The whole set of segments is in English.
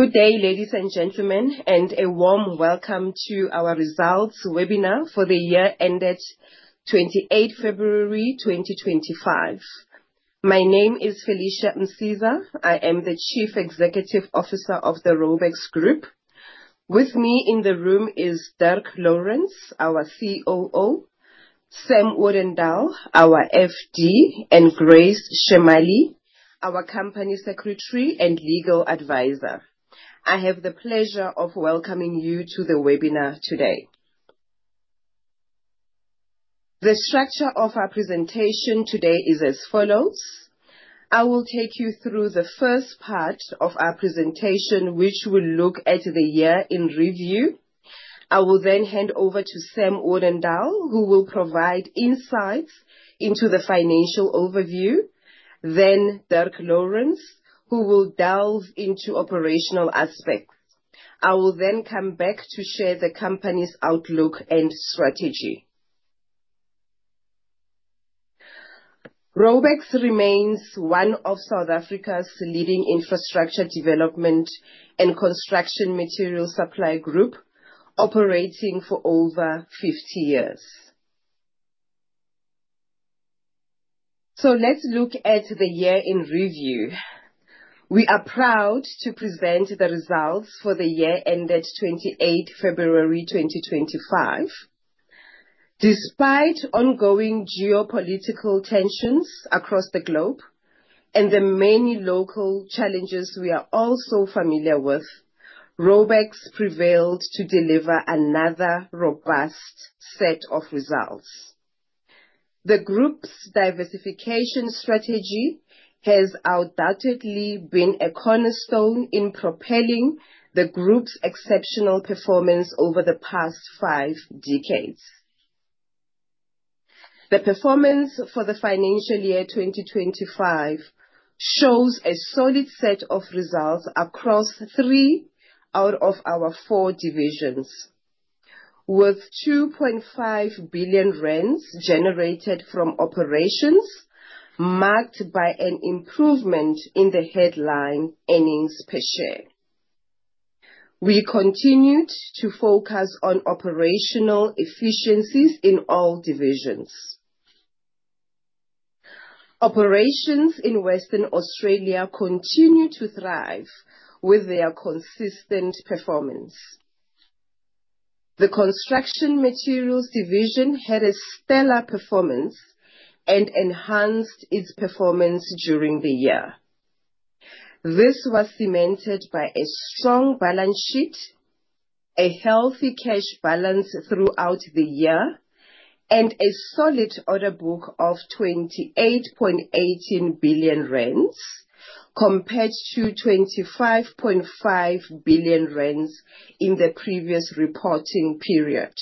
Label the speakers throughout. Speaker 1: Good day, ladies and gentlemen, and a warm welcome to our Results webinar for the year ended February 28, 2025. My name is Felicia Msiza, I am the Chief Executive Officer of the Raubex Group. With me in the room is Dirk Lourens, our COO; Samuel Odendaal, our FD; and Grace Chemaly, our company secretary and legal advisor. I have the pleasure of welcoming you to the webinar today. The structure of our presentation today is as follows: I will take you through the first part of our presentation, which will look at the year in review. I will then hand over to Samuel Odendaal, who will provide insights into the financial overview; then Dirk Lourens, who will delve into operational aspects. I will then come back to share the company's outlook and strategy. Raubex remains one of South Africa's leading infrastructure development and construction materials supply groups, operating for over 50 years. Let's look at the year in review. We are proud to present the results for the year ended 28 February 2025. Despite ongoing geopolitical tensions across the globe and the many local challenges we are all so familiar with, Raubex prevailed to deliver another robust set of results. The group's diversification strategy has undoubtedly been a cornerstone in propelling the group's exceptional performance over the past five decades. The performance for the financial year 2025 shows a solid set of results across three out of our four divisions, with 2.5 billion rand generated from operations, marked by an improvement in the headline earnings per share. We continued to focus on operational efficiencies in all divisions. Operations in Western Australia continue to thrive with their consistent performance. The construction materials division had a stellar performance and enhanced its performance during the year. This was cemented by a strong balance sheet, a healthy cash balance throughout the year, and a solid order book of 28.18 billion rand compared to 25.5 billion rand in the previous reporting period.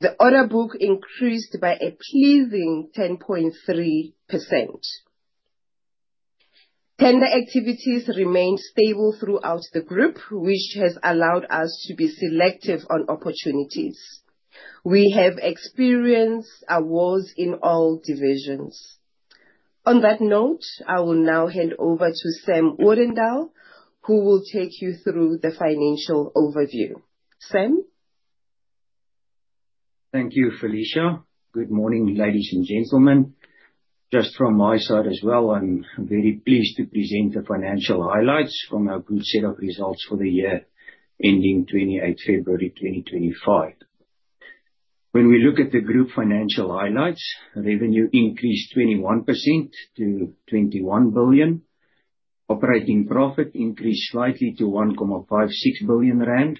Speaker 1: The order book increased by a pleasing 10.3%. Tender activities remained stable throughout the group, which has allowed us to be selective on opportunities. We have experienced awards in all divisions. On that note, I will now hand over to Sam Odendaal, who will take you through the financial overview. Sam?
Speaker 2: Thank you, Felicia. Good morning, ladies and gentlemen. Just from my side as well, I'm very pleased to present the financial highlights from our group's set of results for the year ending 28 February 2025. When we look at the group financial highlights, revenue increased 21% to 21 billion. Operating profit increased slightly to 1.56 billion rand.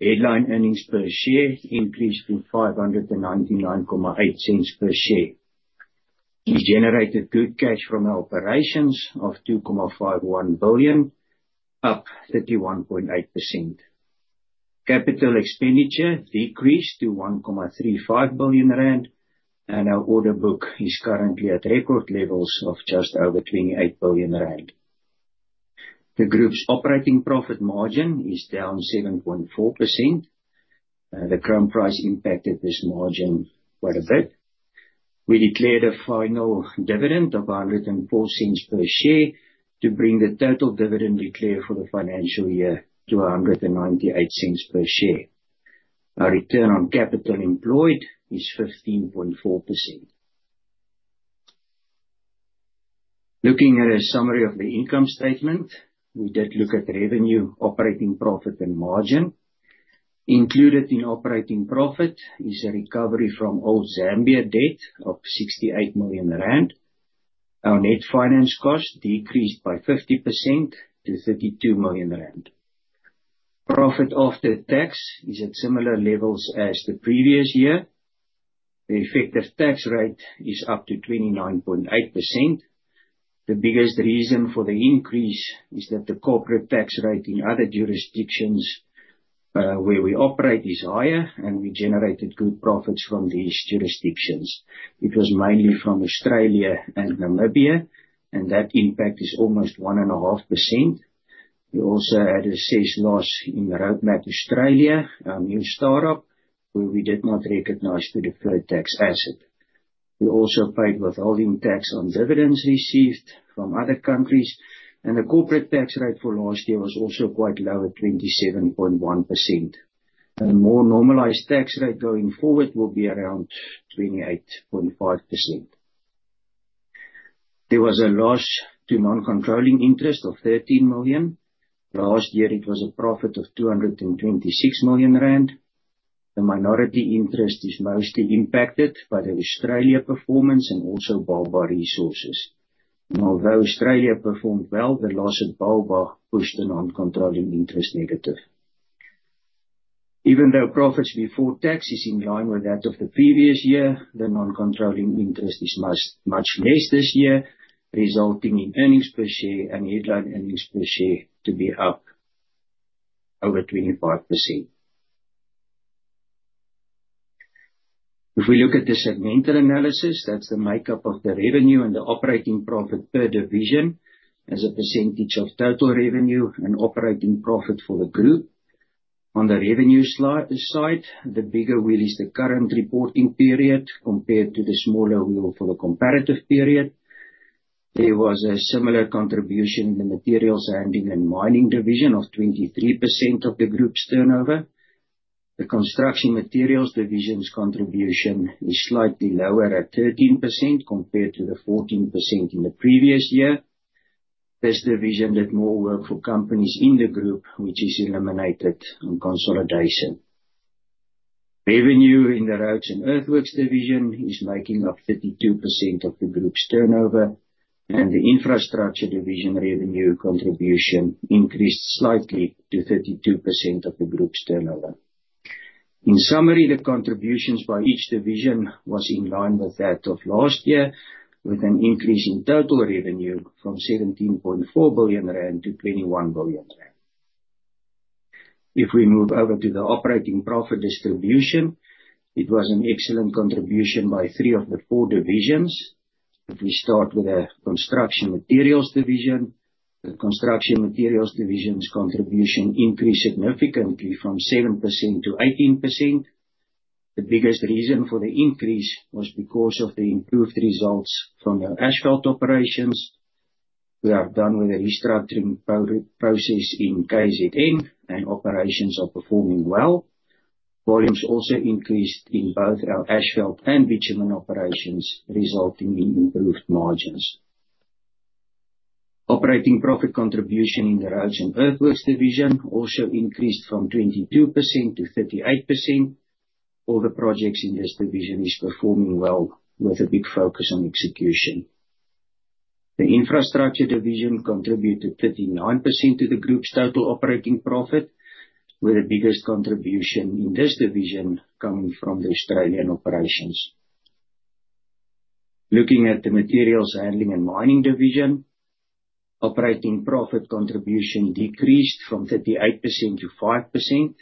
Speaker 2: Headline earnings per share increased to 5.998 per share. We generated good cash from our operations of 2.51 billion, up 31.8%. Capital expenditure decreased to 1.35 billion rand, and our order book is currently at record levels of just over 28 billion rand. The group's operating profit margin is down 7.4%. The chrome price impacted this margin quite a bit. We declared a final dividend of 1.04 per share to bring the total dividend declared for the financial year to 1.98 per share. Our return on capital employed is 15.4%. Looking at a summary of the income statement, we did look at revenue, operating profit, and margin. Included in operating profit is a recovery from old Zambia debt of 68 million rand. Our net finance cost decreased by 50% to 32 million rand. Profit after tax is at similar levels as the previous year. The effective tax rate is up to 29.8%. The biggest reason for the increase is that the corporate tax rate in other jurisdictions where we operate is higher, and we generated good profits from these jurisdictions. It was mainly from Australia and Namibia, and that impact is almost 1.5%. We also had a cash loss in Roadmac Australia, our new startup, where we did not recognize deferred tax assets. We also paid withholding tax on dividends received from other countries, and the corporate tax rate for last year was also quite low at 27.1%. A more normalized tax rate going forward will be around 28.5%. There was a loss to non-controlling interest of 13 million. Last year, it was a profit of 226 million rand. The minority interest is mostly impacted by the Australia performance and also Baobab Resources. Although Australia performed well, the loss at Baobab pushed the non-controlling interest negative. Even though profits before tax are in line with that of the previous year, the non-controlling interest is much less this year, resulting in earnings per share and headline earnings per share to be up over 25%. If we look at the segmental analysis, that's the makeup of the revenue and the operating profit per division as a percentage of total revenue and operating profit for the group. On the revenue side, the bigger wheel is the current reporting period compared to the smaller wheel for the comparative period. There was a similar contribution in the materials handling and mining division of 23% of the group's turnover. The construction materials division's contribution is slightly lower at 13% compared to the 14% in the previous year. This division did more work for companies in the group, which is eliminated on consolidation. Revenue in the roads and earthworks division is making up 32% of the group's turnover, and the infrastructure division revenue contribution increased slightly to 32% of the group's turnover. In summary, the contributions by each division were in line with that of last year, with an increase in total revenue from 17.4 billion-21 billion rand. If we move over to the operating profit distribution, it was an excellent contribution by three of the four divisions. If we start with the construction materials division, the construction materials division's contribution increased significantly from 7%-18%. The biggest reason for the increase was because of the improved results from our asphalt operations. We are done with the restructuring process in KZN, and operations are performing well. Volumes also increased in both our asphalt and bitumen operations, resulting in improved margins. Operating profit contribution in the roads and earthworks division also increased from 22-38%. All the projects in this division are performing well, with a big focus on execution. The infrastructure division contributed 39% to the group's total operating profit, with the biggest contribution in this division coming from the Australian operations. Looking at the materials handling and mining division, operating profit contribution decreased from 38%-5%.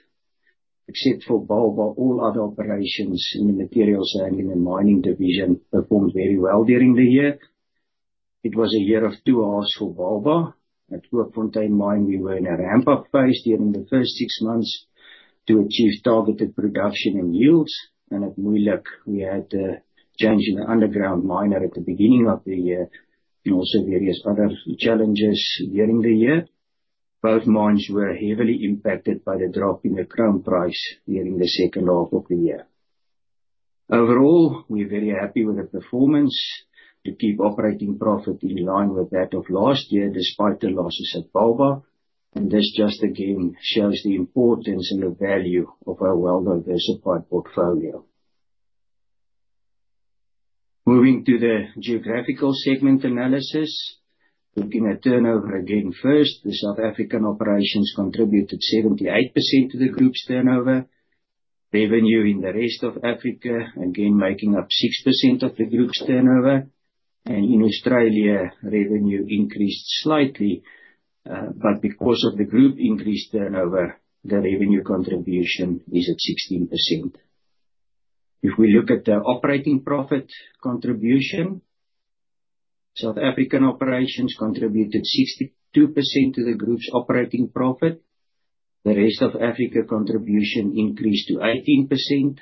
Speaker 2: Except for Baobab, all other operations in the materials handling and mining division performed very well during the year. It was a year of two halves for Baobab. At Kookfontein Mine, we were in a ramp-up phase during the first six months to achieve targeted production and yields, and at Moeijelijk, we had a change in the underground miner at the beginning of the year and also various other challenges during the year. Both mines were heavily impacted by the drop in the chrome price during the second half of the year. Overall, we're very happy with the performance to keep operating profit in line with that of last year, despite the losses at Baobab. This just, again, shows the importance and the value of our well-diversified portfolio. Moving to the geographical segment analysis, looking at turnover again first, the South African operations contributed 78% to the group's turnover. Revenue in the rest of Africa, again, making up 6% of the group's turnover. In Australia, revenue increased slightly, but because of the group increased turnover, the revenue contribution is at 16%. If we look at the operating profit contribution, South African operations contributed 62% to the group's operating profit. The rest of Africa contribution increased to 18%.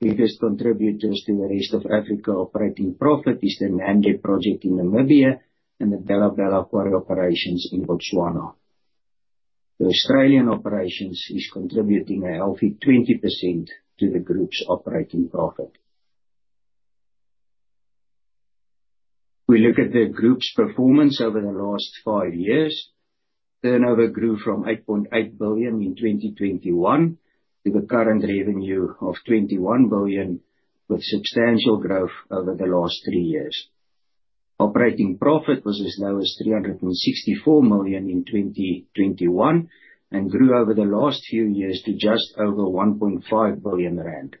Speaker 2: Biggest contributors to the rest of Africa operating profit are the Namdeb project in Namibia and the Bela Bela quarry operations in Botswana. The Australian operations are contributing a healthy 20% to the group's operating profit. If we look at the group's performance over the last five years, turnover grew from 8.8 billion in 2021 to the current revenue of 21 billion, with substantial growth over the last three years. Operating profit was as low as 364 million in 2021 and grew over the last few years to just over 1.5 billion rand.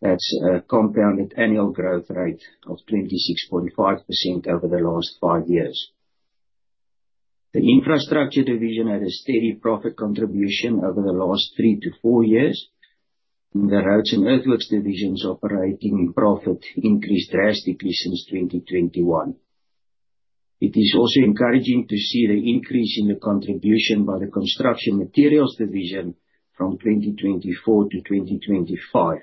Speaker 2: That's a compounded annual growth rate of 26.5% over the last five years. The infrastructure division had a steady profit contribution over the last three to four years, and the roads and earthworks division's operating profit increased drastically since 2021. It is also encouraging to see the increase in the contribution by the construction materials division from 2024-2025.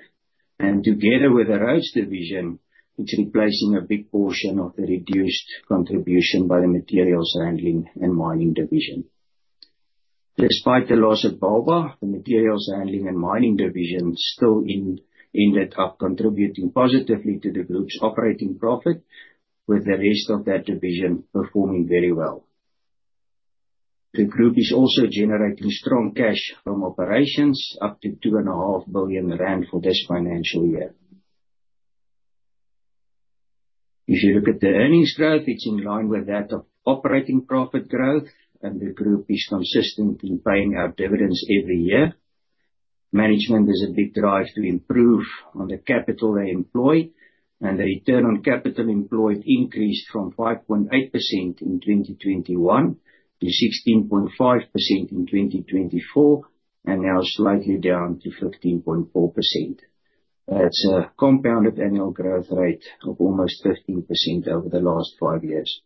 Speaker 2: Together with the roads division, it's replacing a big portion of the reduced contribution by the materials handling and mining division. Despite the loss at Baobab, the materials handling and mining division still ended up contributing positively to the group's operating profit, with the rest of that division performing very well. The group is also generating strong cash from operations, up to 2.5 billion rand for this financial year. If you look at the earnings growth, it's in line with that of operating profit growth, and the group is consistently paying out dividends every year. Management is a big drive to improve on the capital they employ, and the return on capital employed increased from 5.8% in 2021 to 16.5% in 2024 and now slightly down to 15.4%. That's a compounded annual growth rate of almost 15% over the last five years.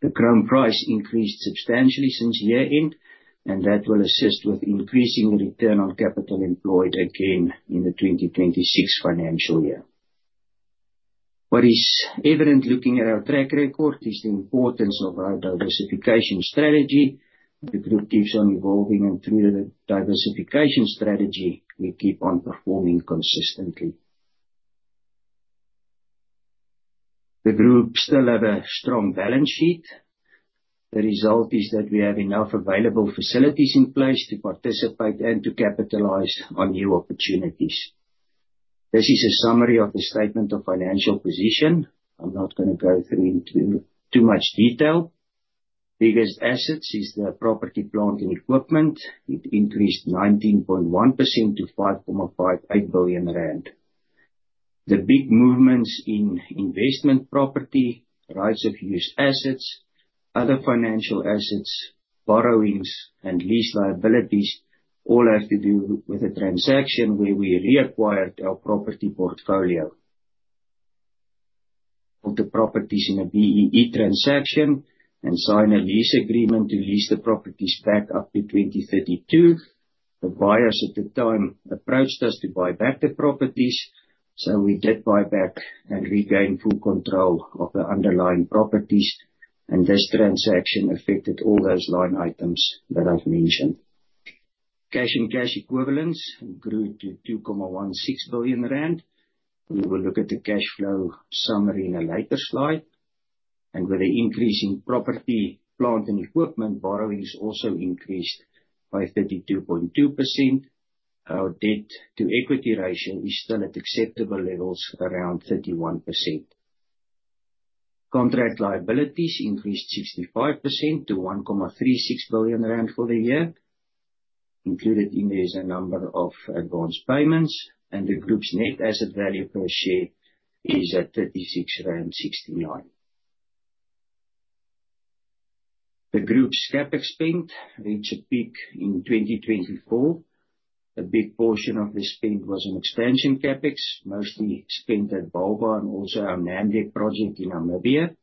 Speaker 2: The chrome price increased substantially since year-end, and that will assist with increasing the return on capital employed again in the 2026 financial year. What is evident looking at our track record is the importance of our diversification strategy. The group keeps on evolving, and through the diversification strategy, we keep on performing consistently. The group still has a strong balance sheet. The result is that we have enough available facilities in place to participate and to capitalize on new opportunities. This is a summary of the statement of financial position. I'm not going to go into too much detail. Biggest assets are the property, plant, and equipment. It increased 19.1% to 5.58 billion rand. The big movements in investment property, rights of use assets, other financial assets, borrowings, and lease liabilities all have to do with a transaction where we reacquired our property portfolio. All the properties in a BEE transaction and signed a lease agreement to lease the properties back up to 2032. The buyers at the time approached us to buy back the properties, so we did buy back and regain full control of the underlying properties. And this transaction affected all those line items that I've mentioned. Cash and cash equivalents grew to 2.16 billion rand. We will look at the cash flow summary in a later slide. And with the increasing property, plant, and equipment borrowings also increased by 32.2%, our debt-to-equity ratio is still at acceptable levels around 31%. Contract liabilities increased 65% to 1.36 billion rand for the year, included in there is a number of advance payments, and the group's net asset value per share is at ZAR 36.69. The group's CapEx spend reached a peak in 2024. A big portion of the spend was on expansion CapEx, mostly spent at Baobab and also our Namdeb project in Namibia.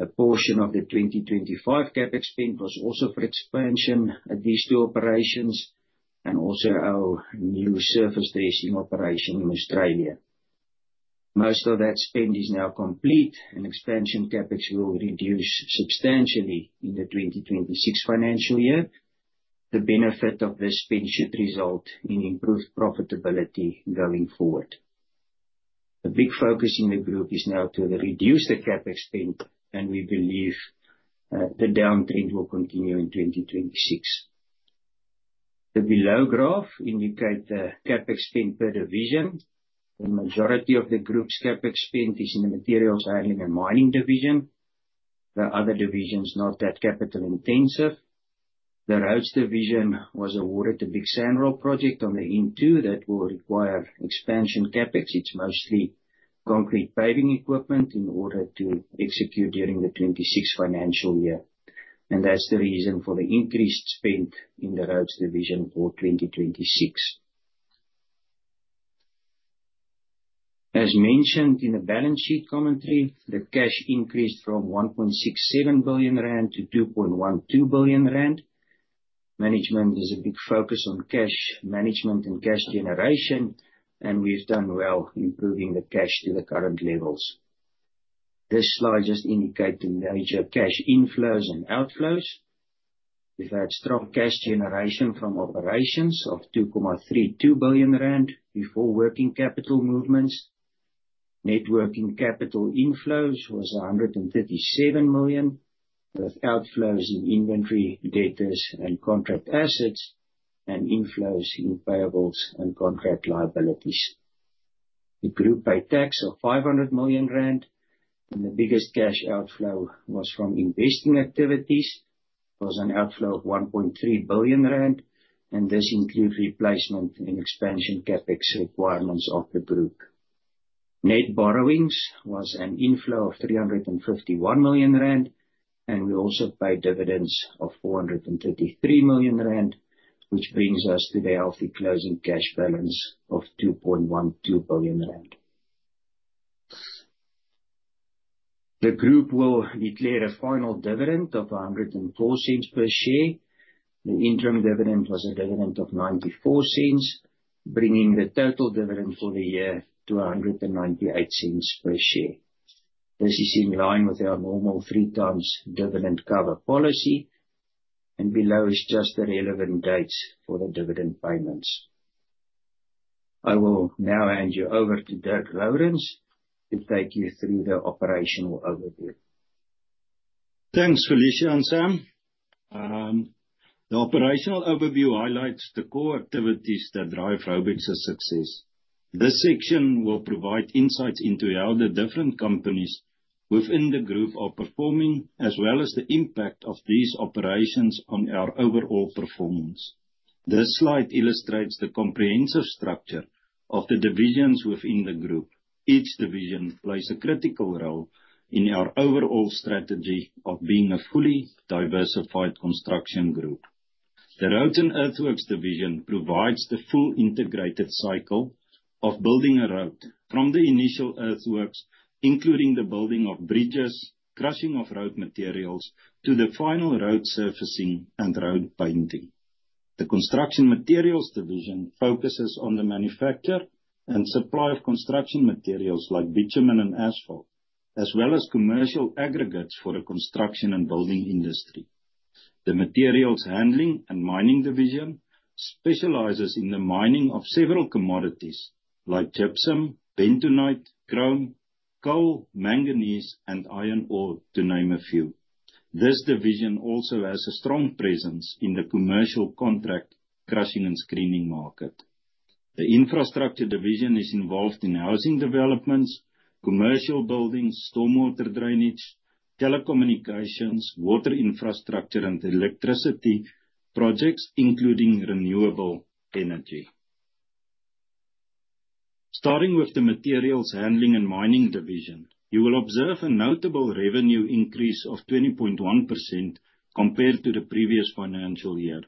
Speaker 2: A portion of the 2025 CapEx spend was also for expansion at these two operations and also our new surface dressing operation in Australia. Most of that spend is now complete, and expansion CapEx will reduce substantially in the 2026 financial year. The benefit of this spend should result in improved profitability going forward. A big focus in the group is now to reduce the CapEx spend, and we believe the downtrend will continue in 2026. The below graph indicates the CapEx spend per division. The majority of the group's CapEx spend is in the materials handling and mining division. The other divisions are not that capital intensive. The roads division was awarded the big SANRAL project on the N2 that will require expansion CapEx. It's mostly concrete paving equipment in order to execute during the 2026 financial year. That's the reason for the increased spend in the roads division for 2026. As mentioned in the balance sheet commentary, the cash increased from 1.67 billion-2.12 billion rand. Management is a big focus on cash management and cash generation, and we've done well improving the cash to the current levels. This slide just indicates the major cash inflows and outflows. We've had strong cash generation from operations of 2.32 billion rand before working capital movements. Net working capital inflows were 137 million with outflows in inventory, debtors and contract assets and inflows in payables and contract liabilities. The group paid tax of 500 million rand, and the biggest cash outflow was from investing activities. It was an outflow of 1.3 billion rand, and this includes replacement and expansion CapEx requirements of the group. Net borrowings were an inflow of 351 million rand, and we also paid dividends of 433 million rand, which brings us to the healthy closing cash balance of 2.12 billion rand. The group will declare a final dividend of 1.04 per share. The interim dividend was a dividend of 0.94, bringing the total dividend for the year to 1.98 per share. This is in line with our normal three-times dividend cover policy, and below is just the relevant dates for the dividend payments. I will now hand you over to Dirk Lourens to take you through the operational overview.
Speaker 3: Thanks, Felicia and Sam. The operational overview highlights the core activities that drive Raubex's success. This section will provide insights into how the different companies within the group are performing, as well as the impact of these operations on our overall performance. This slide illustrates the comprehensive structure of the divisions within the group. Each division plays a critical role in our overall strategy of being a fully diversified construction group. The roads and earthworks division provides the full integrated cycle of building a road from the initial earthworks, including the building of bridges, crushing of road materials, to the final road surfacing and road painting. The construction materials division focuses on the manufacture and supply of construction materials like bitumen and asphalt, as well as commercial aggregates for the construction and building industry. The materials handling and mining division specializes in the mining of several commodities like gypsum, bentonite, chrome, coal, manganese, and iron ore, to name a few. This division also has a strong presence in the commercial contract crushing and screening market. The infrastructure division is involved in housing developments, commercial buildings, stormwater drainage, telecommunications, water infrastructure, and electricity projects, including renewable energy. Starting with the materials handling and mining division, you will observe a notable revenue increase of 20.1% compared to the previous financial year,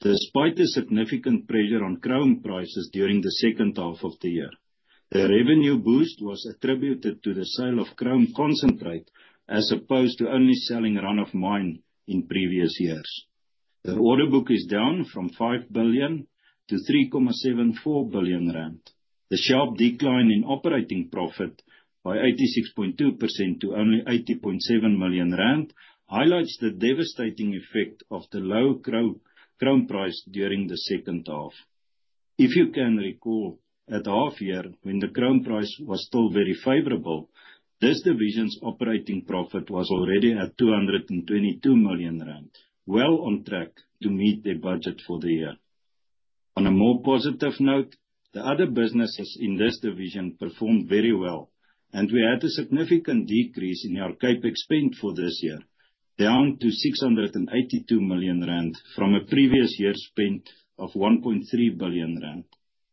Speaker 3: despite the significant pressure on chrome prices during the second half of the year. The revenue boost was attributed to the sale of chrome concentrate as opposed to only selling run-of-mine in previous years. The order book is down from 5 billion-3.74 billion rand. The sharp decline in operating profit by 86.2% to only 80.7 million rand highlights the devastating effect of the low chrome price during the second half. If you can recall, at half-year, when the chrome price was still very favorable, this division's operating profit was already at 222 million rand, well on track to meet their budget for the year. On a more positive note, the other businesses in this division performed very well, and we had a significant decrease in our CapEx spend for this year, down to 682 million rand from a previous year's spend of 1.3 billion rand.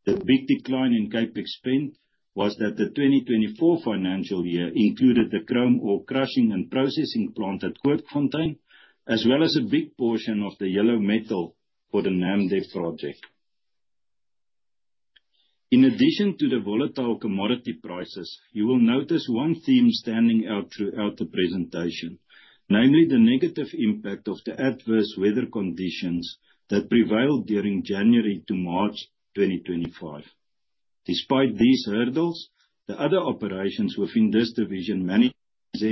Speaker 3: The big decline in CapEx spend was that the 2024 financial year included the chrome ore crushing and processing plant at Kookfontein, as well as a big portion of the yellow metal for the Namdeb project. In addition to the volatile commodity prices, you will notice one theme standing out throughout the presentation, namely the negative impact of the adverse weather conditions that prevailed during January to March 2025. Despite these hurdles, the other operations within this division manage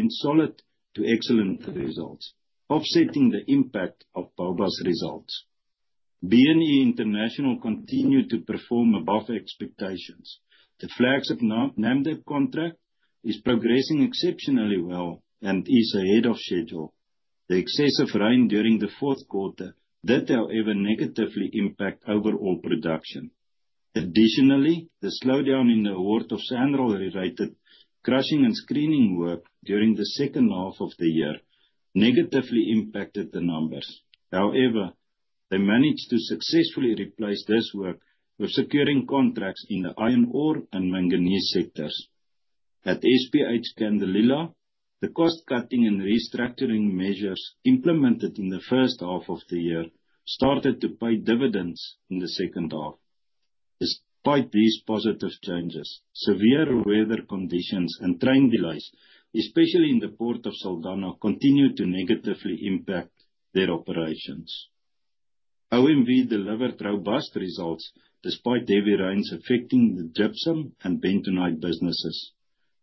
Speaker 3: solid to excellent results, offsetting the impact of Baobab's results. B&E International continued to perform above expectations. The flagship Namdeb contract is progressing exceptionally well and is ahead of schedule. The excessive rain during the fourth quarter did however negatively impact overall production. Additionally, the slowdown in the Hotazel SANRAL-related crushing and screening work during the second half of the year negatively impacted the numbers. However, they managed to successfully replace this work with securing contracts in the iron ore and manganese sectors. At SPH Kundalila, the cost-cutting and restructuring measures implemented in the first half of the year started to pay dividends in the second half. Despite these positive changes, severe weather conditions and train delays, especially in the port of Saldanha, continue to negatively impact their operations. OMV delivered robust results despite heavy rains affecting the gypsum and bentonite businesses.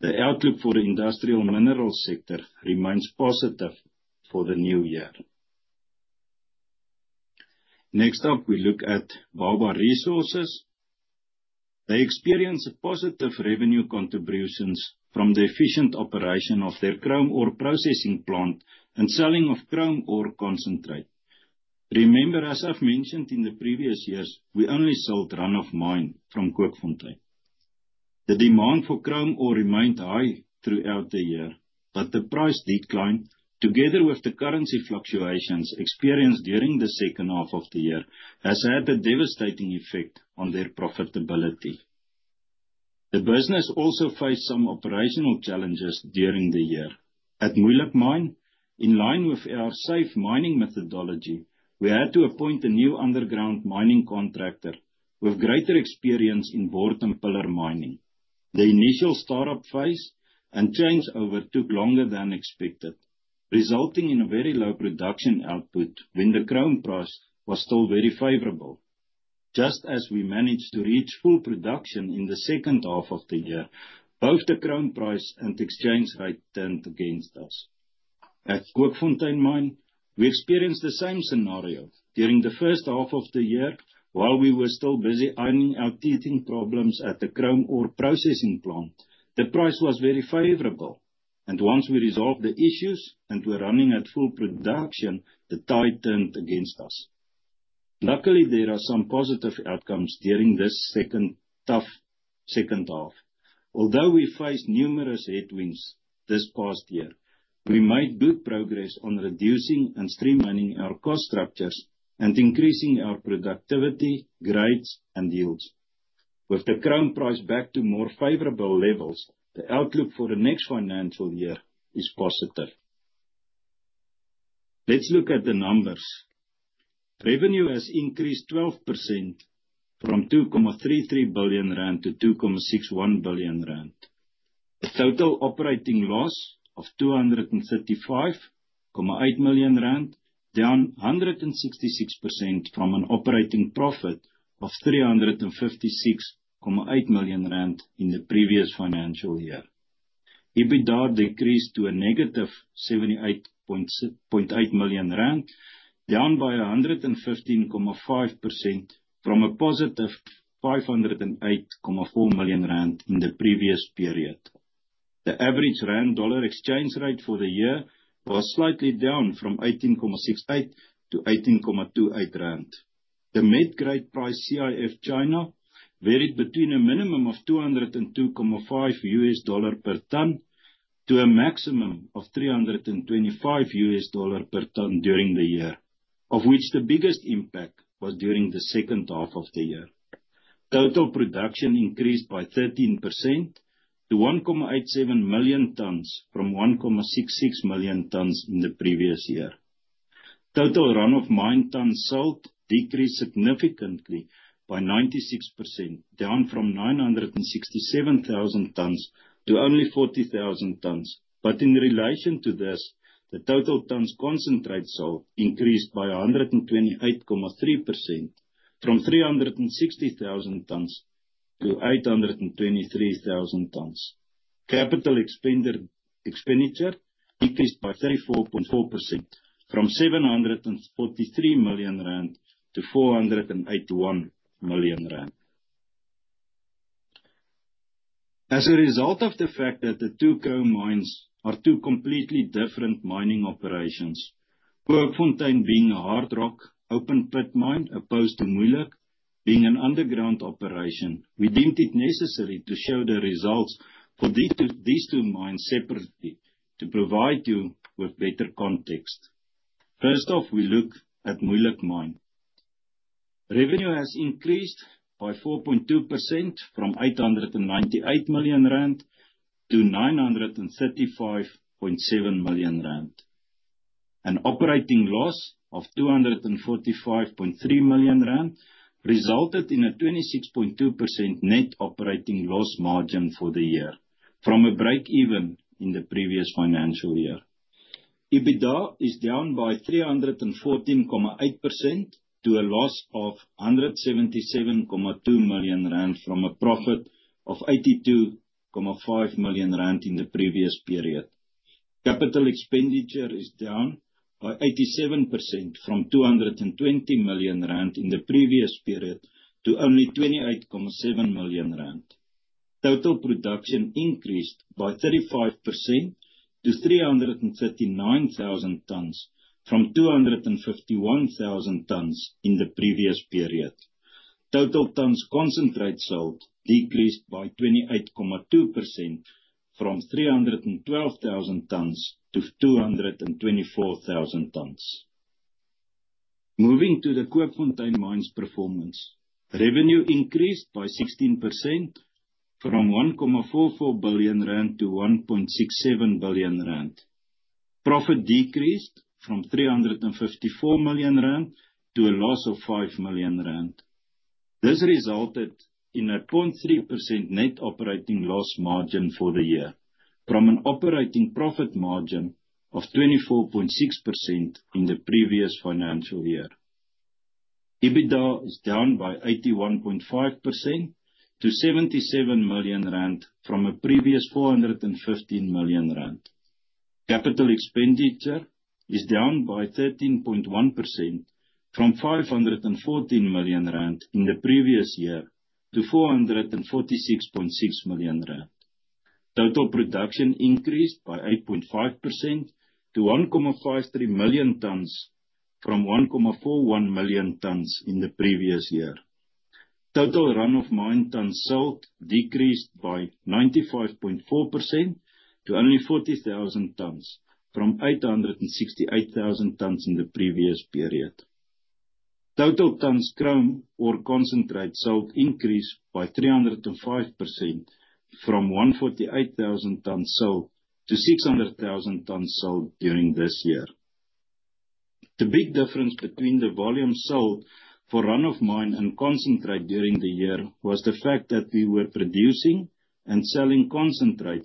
Speaker 3: The outlook for the industrial mineral sector remains positive for the new year. Next up, we look at Baobab Resources. They experience a positive revenue contributions from the efficient operation of their chrome ore processing plant and selling of chrome ore concentrate. Remember, as I've mentioned in the previous years, we only sold run-of-mine from Kookfontein. The demand for chrome ore remained high throughout the year, but the price decline, together with the currency fluctuations experienced during the second half of the year, has had a devastating effect on their profitability. The business also faced some operational challenges during the year. At Moeijelijk Mine, in line with our safe mining methodology, we had to appoint a new underground mining contractor with greater experience in bord and pillar mining. The initial startup phase and changeover took longer than expected, resulting in a very low production output when the chrome price was still very favorable. Just as we managed to reach full production in the second half of the year, both the chrome price and exchange rate turned against us. At Kookfontein Mine, we experienced the same scenario during the first half of the year. While we were still busy ironing out teething problems at the chrome ore processing plant, the price was very favorable, and once we resolved the issues and were running at full production, the tide turned against us. Luckily, there are some positive outcomes during this second tough half. Although we faced numerous headwinds this past year, we made good progress on reducing and streamlining our cost structures and increasing our productivity, grades, and yields. With the chrome price back to more favorable levels, the outlook for the next financial year is positive. Let's look at the numbers. Revenue has increased 12% from 2.33 billion-2.61 billion rand. The total operating loss of 235.8 million rand, down 166% from an operating profit of 356.8 million rand in the previous financial year. EBITDA decreased to a negative 78.8 million rand, down by 115.5% from a positive 508.4 million rand in the previous period. The average rand-dollar exchange rate for the year was slightly down from 18.68 to 18.28 rand. The net grade price CIF China varied between a minimum of $202.5-$325 per ton during the year, of which the biggest impact was during the second half of the year. Total production increased by 13% to 1.87 million tons from 1.66 million tons in the previous year. Total run-of-mine tons sold decreased significantly by 96% down from 967,000 tons to only 40,000 tons, but in relation to this, the total tons concentrate sold increased by 128.3% from 360,000 tons to 823,000 tons. Capital expenditure decreased by 34.4% from 743 million-481 million rand. As a result of the fact that the two chrome mines are two completely different mining operations, Kookfontein being a hard rock open pit mine opposed to Moeijelijk being an underground operation, we deemed it necessary to show the results for these two mines separately to provide you with better context. First off, we look at Moeijelijk Mine. Revenue has increased by 4.2% from 898 million-935.7 million rand. An operating loss of 245.3 million rand resulted in a 26.2% net operating loss margin for the year from a break-even in the previous financial year. EBITDA is down by 314.8% to a loss of 177.2 million rand from a profit of 82.5 million rand in the previous period. Capital expenditure is down by 87% from 220 million rand in the previous period to only 28.7 million rand. Total production increased by 35% to 339,000 tons from 251,000 tons in the previous period. Total tons concentrate sold decreased by 28.2% from 312,000 tons-224,000 tons. Moving to the Kookfontein Mines performance, revenue increased by 16% from 1.44 billion-1.67 billion rand. Profit decreased from 354 million rand to a loss of 5 million rand. This resulted in a 0.3% net operating loss margin for the year from an operating profit margin of 24.6% in the previous financial year. EBITDA is down by 81.5% to 77 million rand from a previous 415 million rand. Capital expenditure is down by 13.1% from 514 million rand in the previous year to 446.6 million rand. Total production increased by 8.5% to 1.53 million tons from 1.41 million tons in the previous year. Total run-of-mine tons sold decreased by 95.4% to only 40,000 tons from 868,000 tons in the previous period. Total tons chrome ore concentrate sold increased by 305% from 148,000 tons sold to 600,000 tons sold during this year. The big difference between the volume sold for run-of-mine and concentrate during the year was the fact that we were producing and selling concentrate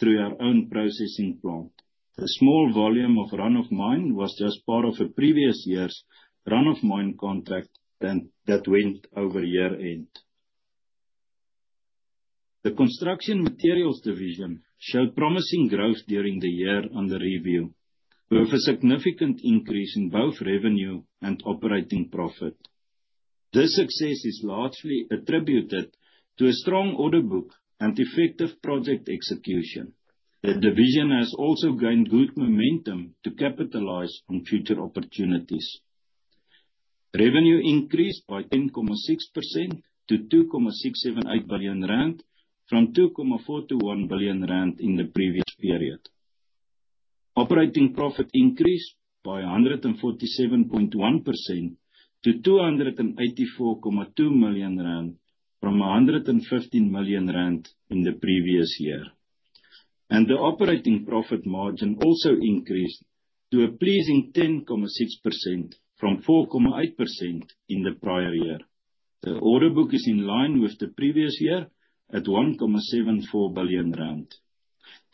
Speaker 3: through our own processing plant. The small volume of run-of-mine was just part of a previous year's run-of-mine contract that went over year-end. The construction materials division showed promising growth during the year under review with a significant increase in both revenue and operating profit. This success is largely attributed to a strong order book and effective project execution. The division has also gained good momentum to capitalize on future opportunities. Revenue increased by 10.6% to 2.678 billion rand from 2.421 billion rand in the previous period. Operating profit increased by 147.1% to 284.2 million rand from 115 million rand in the previous year. The operating profit margin also increased to a pleasing 10.6% from 4.8% in the prior year. The order book is in line with the previous year at 1.74 billion rand.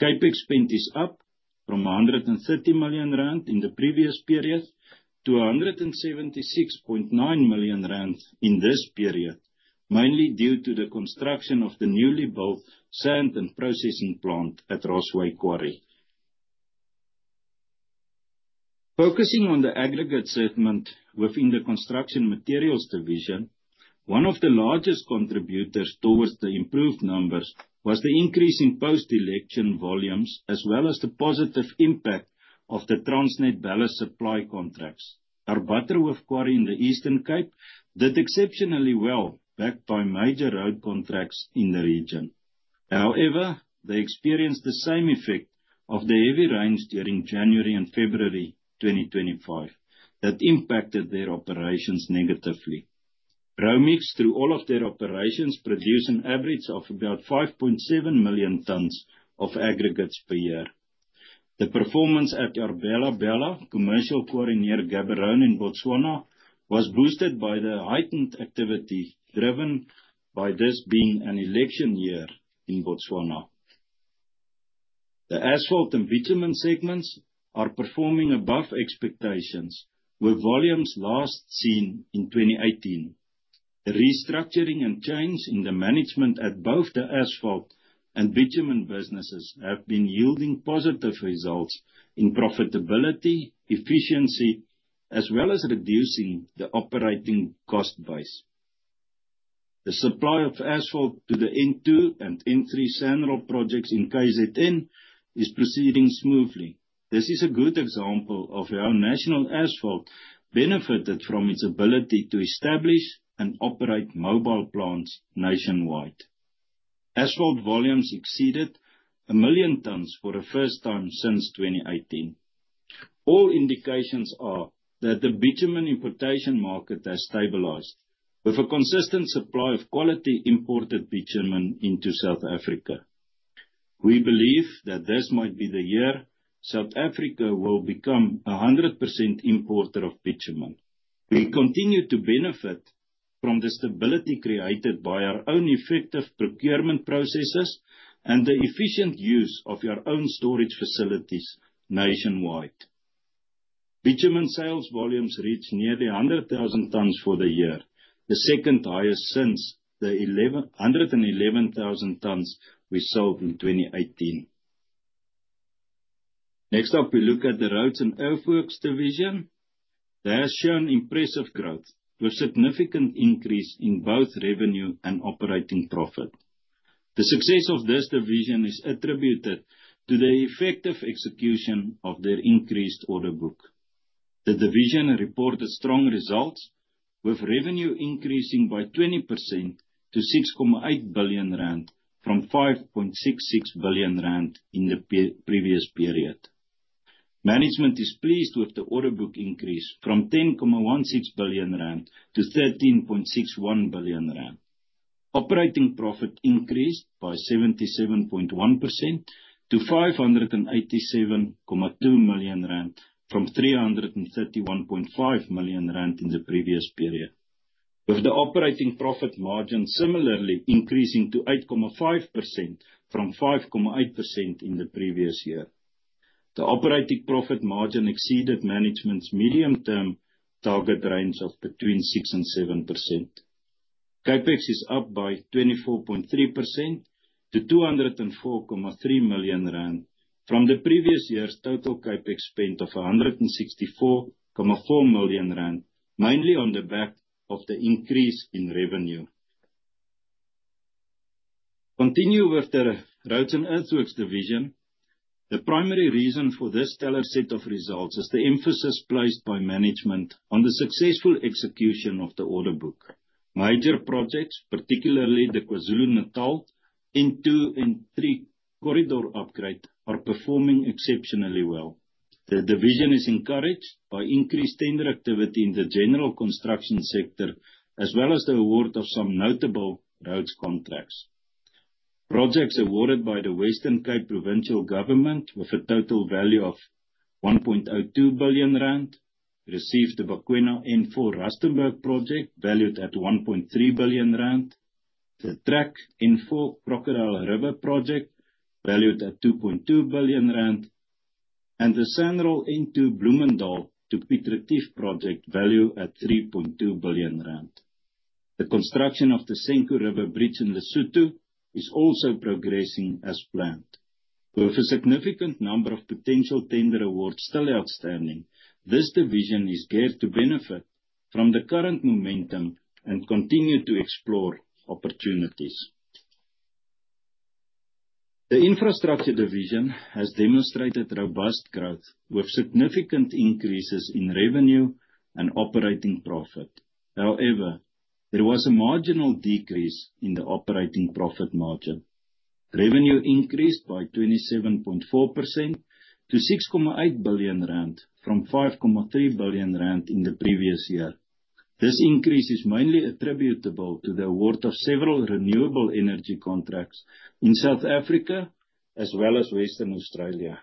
Speaker 3: CapEx spend is up from 130 million rand in the previous period to 176.9 million rand in this period, mainly due to the construction of the newly built sand and processing plant at Rossway Quarry. Focusing on the aggregates segment within the construction materials division, one of the largest contributors towards the improved numbers was the increase in post-election volumes as well as the positive impact of the Transnet ballast supply contracts. Our Butterworth quarry in the Eastern Cape did exceptionally well backed by major road contracts in the region. However, they experienced the same effect of the heavy rains during January and February 2025 that impacted their operations negatively. Raumix, through all of their operations, produced an average of about 5.7 million tons of aggregates per year. The performance at Bela Bela commercial quarry near Gaborone in Botswana was boosted by the heightened activity driven by this being an election year in Botswana. The asphalt and bitumen segments are performing above expectations with volumes last seen in 2018. The restructuring and change in the management at both the asphalt and bitumen businesses have been yielding positive results in profitability, efficiency, as well as reducing the operating cost base. The supply of asphalt to the N2 and N3 SANRAL projects in KZN is proceeding smoothly. This is a good example of how National Asphalt benefited from its ability to establish and operate mobile plants nationwide. Asphalt volumes exceeded 1 million tons for the first time since 2018. All indications are that the bitumen importation market has stabilized with a consistent supply of quality imported bitumen into South Africa. We believe that this might be the year South Africa will become a 100% importer of bitumen. We continue to benefit from the stability created by our own effective procurement processes and the efficient use of our own storage facilities nationwide. Bitumen sales volumes reached nearly 100,000 tons for the year, the second highest since the 111,000 tons we sold in 2018. Next up, we look at the roads and earthworks division. They have shown impressive growth with significant increase in both revenue and operating profit. The success of this division is attributed to the effective execution of their increased order book. The division reported strong results with revenue increasing by 20% to 6.8 billion rand from 5.66 billion rand in the previous period. Management is pleased with the order book increase from 10.16 billion-13.61 billion rand. Operating profit increased by 77.1% to 587.2 million rand from 331.5 million rand in the previous period. With the operating profit margin similarly increasing to 8.5% from 5.8% in the previous year. The operating profit margin exceeded management's medium-term target range of between 6% and 7%. CapEx is up by 24.3% to 204.3 million rand from the previous year's total CapEx spend of 164.4 million rand, mainly on the back of the increase in revenue. Continue with the roads and earthworks division. The primary reason for this stellar set of results is the emphasis placed by management on the successful execution of the order book. Major projects, particularly the KwaZulu-Natal N2 and N3 corridor upgrade, are performing exceptionally well. The division is encouraged by increased tender activity in the general construction sector as well as the award of some notable roads contracts. Projects awarded by the Western Cape Provincial Government with a total value of 1.02 billion rand received the Bakwena N4 Rustenburg project valued at 1.3 billion rand. The TRAC N4 Crocodile River project valued at 2.2 billion rand. And the SANRAL N2 Bloemendal to Piet Retief project valued at 3.2 billion rand. The construction of the Senqu River Bridge in Lesotho is also progressing as planned. With a significant number of potential tender awards still outstanding, this division is geared to benefit from the current momentum and continue to explore opportunities. The infrastructure division has demonstrated robust growth with significant increases in revenue and operating profit. However, there was a marginal decrease in the operating profit margin. Revenue increased by 27.4% to 6.8 billion rand from 5.3 billion rand in the previous year. This increase is mainly attributable to the award of several renewable energy contracts in South Africa as well as Western Australia.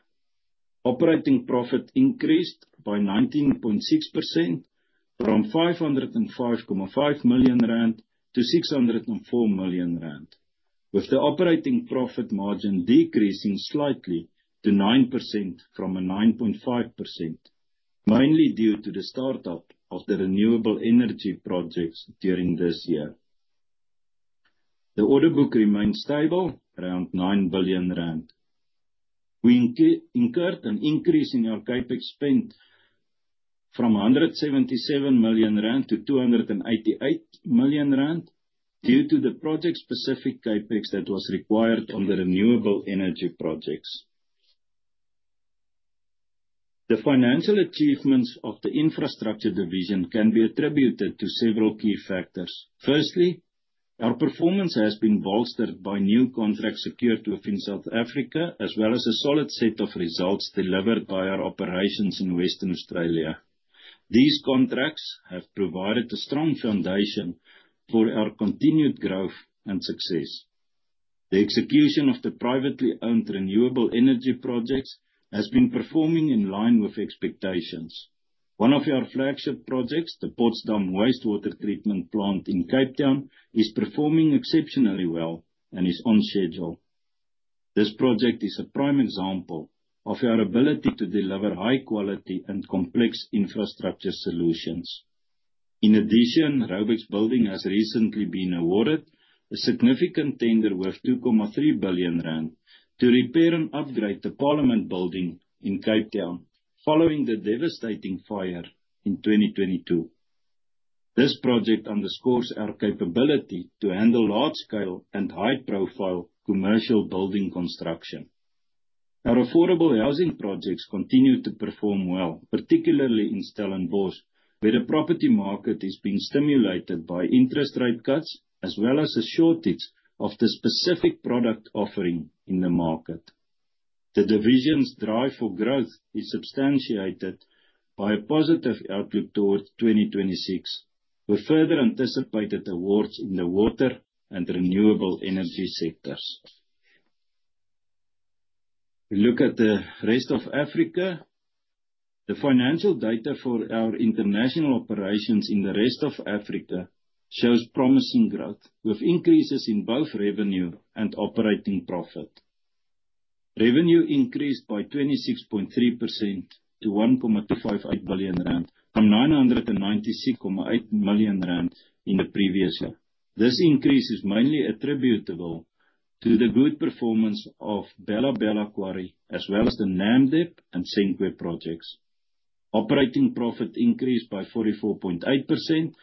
Speaker 3: Operating profit increased by 19.6% from 505.5 million-604 million rand. With the operating profit margin decreasing slightly to 9% from a 9.5%, mainly due to the startup of the renewable energy projects during this year. The order book remained stable around 9 billion rand. We incurred an increase in our CapEx spend from 177 million-288 million rand due to the project-specific CapEx that was required under renewable energy projects. The financial achievements of the infrastructure division can be attributed to several key factors. Firstly, our performance has been bolstered by new contracts secured within South Africa as well as a solid set of results delivered by our operations in Western Australia. These contracts have provided a strong foundation for our continued growth and success. The execution of the privately owned renewable energy projects has been performing in line with expectations. One of our flagship projects, the Potsdam Wastewater Treatment Plant in Cape Town, is performing exceptionally well and is on schedule. This project is a prime example of our ability to deliver high-quality and complex infrastructure solutions. In addition, Raubex Building has recently been awarded a significant tender with 2.3 billion rand to repair and upgrade the Parliament Building in Cape Town following the devastating fire in 2022. This project underscores our capability to handle large-scale and high-profile commercial building construction. Our affordable housing projects continue to perform well, particularly in Stellenbosch, where the property market is being stimulated by interest rate cuts as well as a shortage of the specific product offering in the market. The division's drive for growth is substantiated by a positive outlook towards 2026 with further anticipated awards in the water and renewable energy sectors. We look at the rest of Africa. The financial data for our international operations in the rest of Africa shows promising growth with increases in both revenue and operating profit. Revenue increased by 26.3% to 1.258 billion rand from 996.8 million rand in the previous year. This increase is mainly attributable to the good performance of Bela Bela Quarry as well as the Namdeb and Senqu projects. Operating profit increased by 44.8%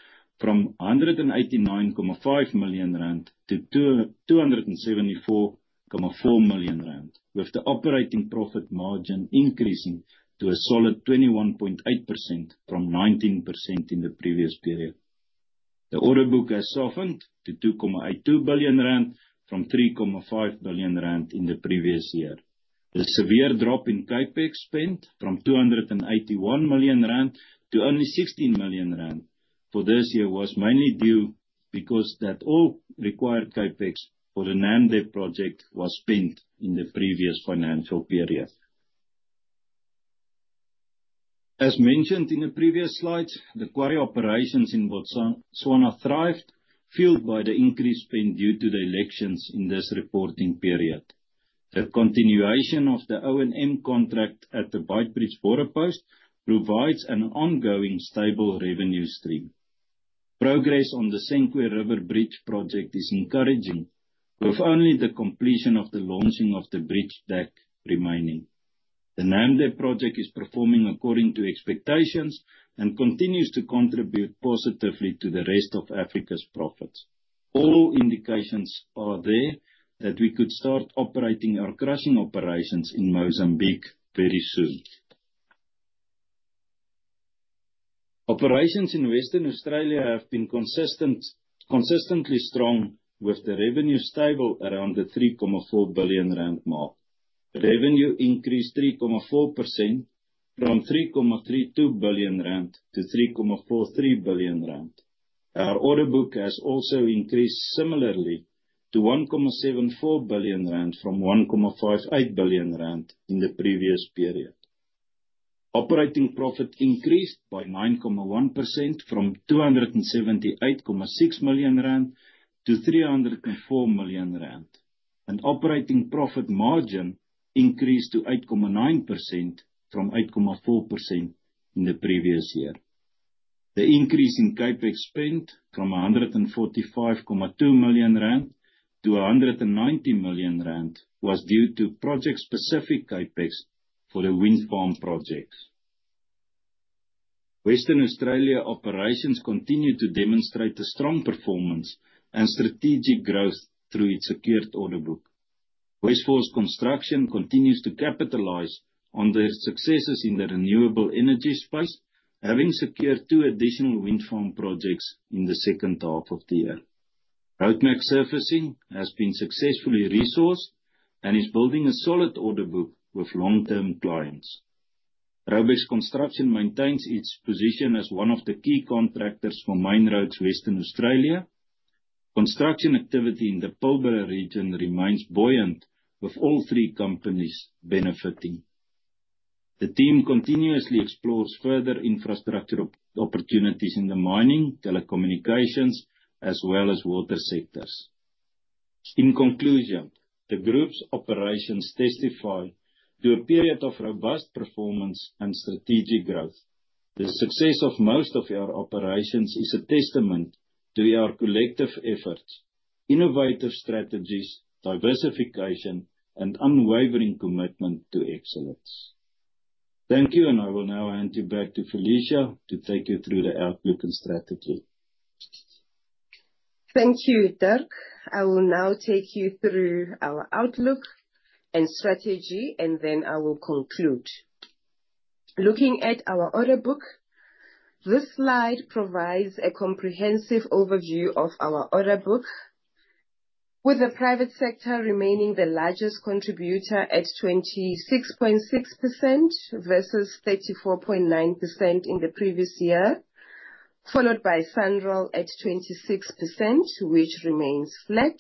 Speaker 3: from 189.5 million-274.4 million rand with the operating profit margin increasing to a solid 21.8% from 19% in the previous period. The order book has softened to 2.82 billion rand from 3.5 billion rand in the previous year. The severe drop in CapEx spend from 281 million-16 million rand for this year was mainly due because that all required CapEx for the Namdeb project was spent in the previous financial period. As mentioned in the previous slides, the quarry operations in Botswana thrived fueled by the increased spend due to the elections in this reporting period. The continuation of the O&M contract at the Beitbridge Border Post provides an ongoing stable revenue stream. Progress on the Senqu River Bridge project is encouraging with only the completion of the launching of the bridge deck remaining. The Namdeb project is performing according to expectations and continues to contribute positively to the rest of Africa's profits. All indications are there that we could start operating our crushing operations in Mozambique very soon. Operations in Western Australia have been consistently strong with the revenue stable around the 3.4 billion rand mark. Revenue increased 3.4% from 3.32 billion-3.43 billion rand. Our order book has also increased similarly to 1.74 billion rand from 1.58 billion rand in the previous period. Operating profit increased by 9.1% from 278.6 million-304 million rand. Operating profit margin increased to 8.9% from 8.4% in the previous year. The increase in CapEx spend from 145.2 million-190 million rand was due to project-specific CapEx for the wind farm projects. Western Australia operations continue to demonstrate a strong performance and strategic growth through its secured order book. Westforce Construction continues to capitalize on their successes in the renewable energy space, having secured two additional wind farm projects in the second half of the year. Roadmac Surfacing has been successfully resourced and is building a solid order book with long-term clients. Raubex Construction maintains its position as one of the key contractors for mine roads Western Australia. Construction activity in the Pilbara region remains buoyant with all three companies benefiting. The team continuously explores further infrastructure opportunities in the mining, telecommunications, as well as water sectors. In conclusion, the group's operations testify to a period of robust performance and strategic growth. The success of most of our operations is a testament to our collective efforts, innovative strategies, diversification, and unwavering commitment to excellence. Thank you, and I will now hand you back to Felicia to take you through the outlook and strategy.
Speaker 1: Thank you, Dirk. I will now take you through our outlook and strategy, and then I will conclude. Looking at our order book, this slide provides a comprehensive overview of our order book, with the private sector remaining the largest contributor at 26.6% versus 34.9% in the previous year, followed by SANRAL at 26%, which remains flat.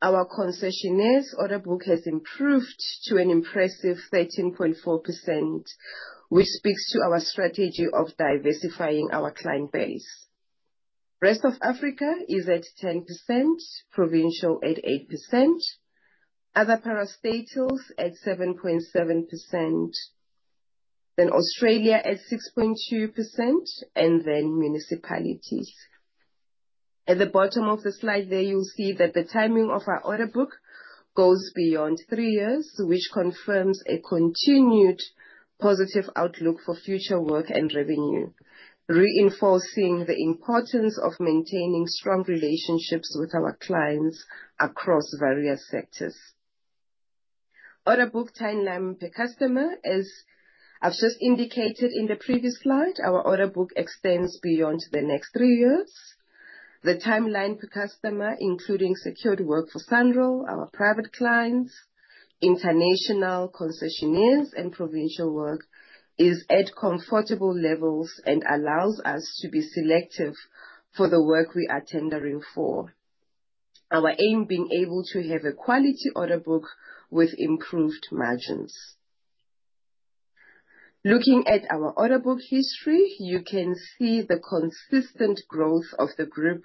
Speaker 1: Our concessionaire's order book has improved to an impressive 13.4%, which speaks to our strategy of diversifying our client base. The rest of Africa is at 10%, provincial at 8%, other parastatals at 7.7%, then Australia at 6.2%, and then municipalities. At the bottom of the slide there, you'll see that the timing of our order book goes beyond three years, which confirms a continued positive outlook for future work and revenue, reinforcing the importance of maintaining strong relationships with our clients across various sectors. Order book timeline per customer, as I've just indicated in the previous slide, our order book extends beyond the next three years. The timeline per customer, including secured work for SANRAL, our private clients, international concessionaire, and provincial work, is at comfortable levels and allows us to be selective for the work we are tendering for. Our aim is being able to have a quality order book with improved margins. Looking at our order book history, you can see the consistent growth of the group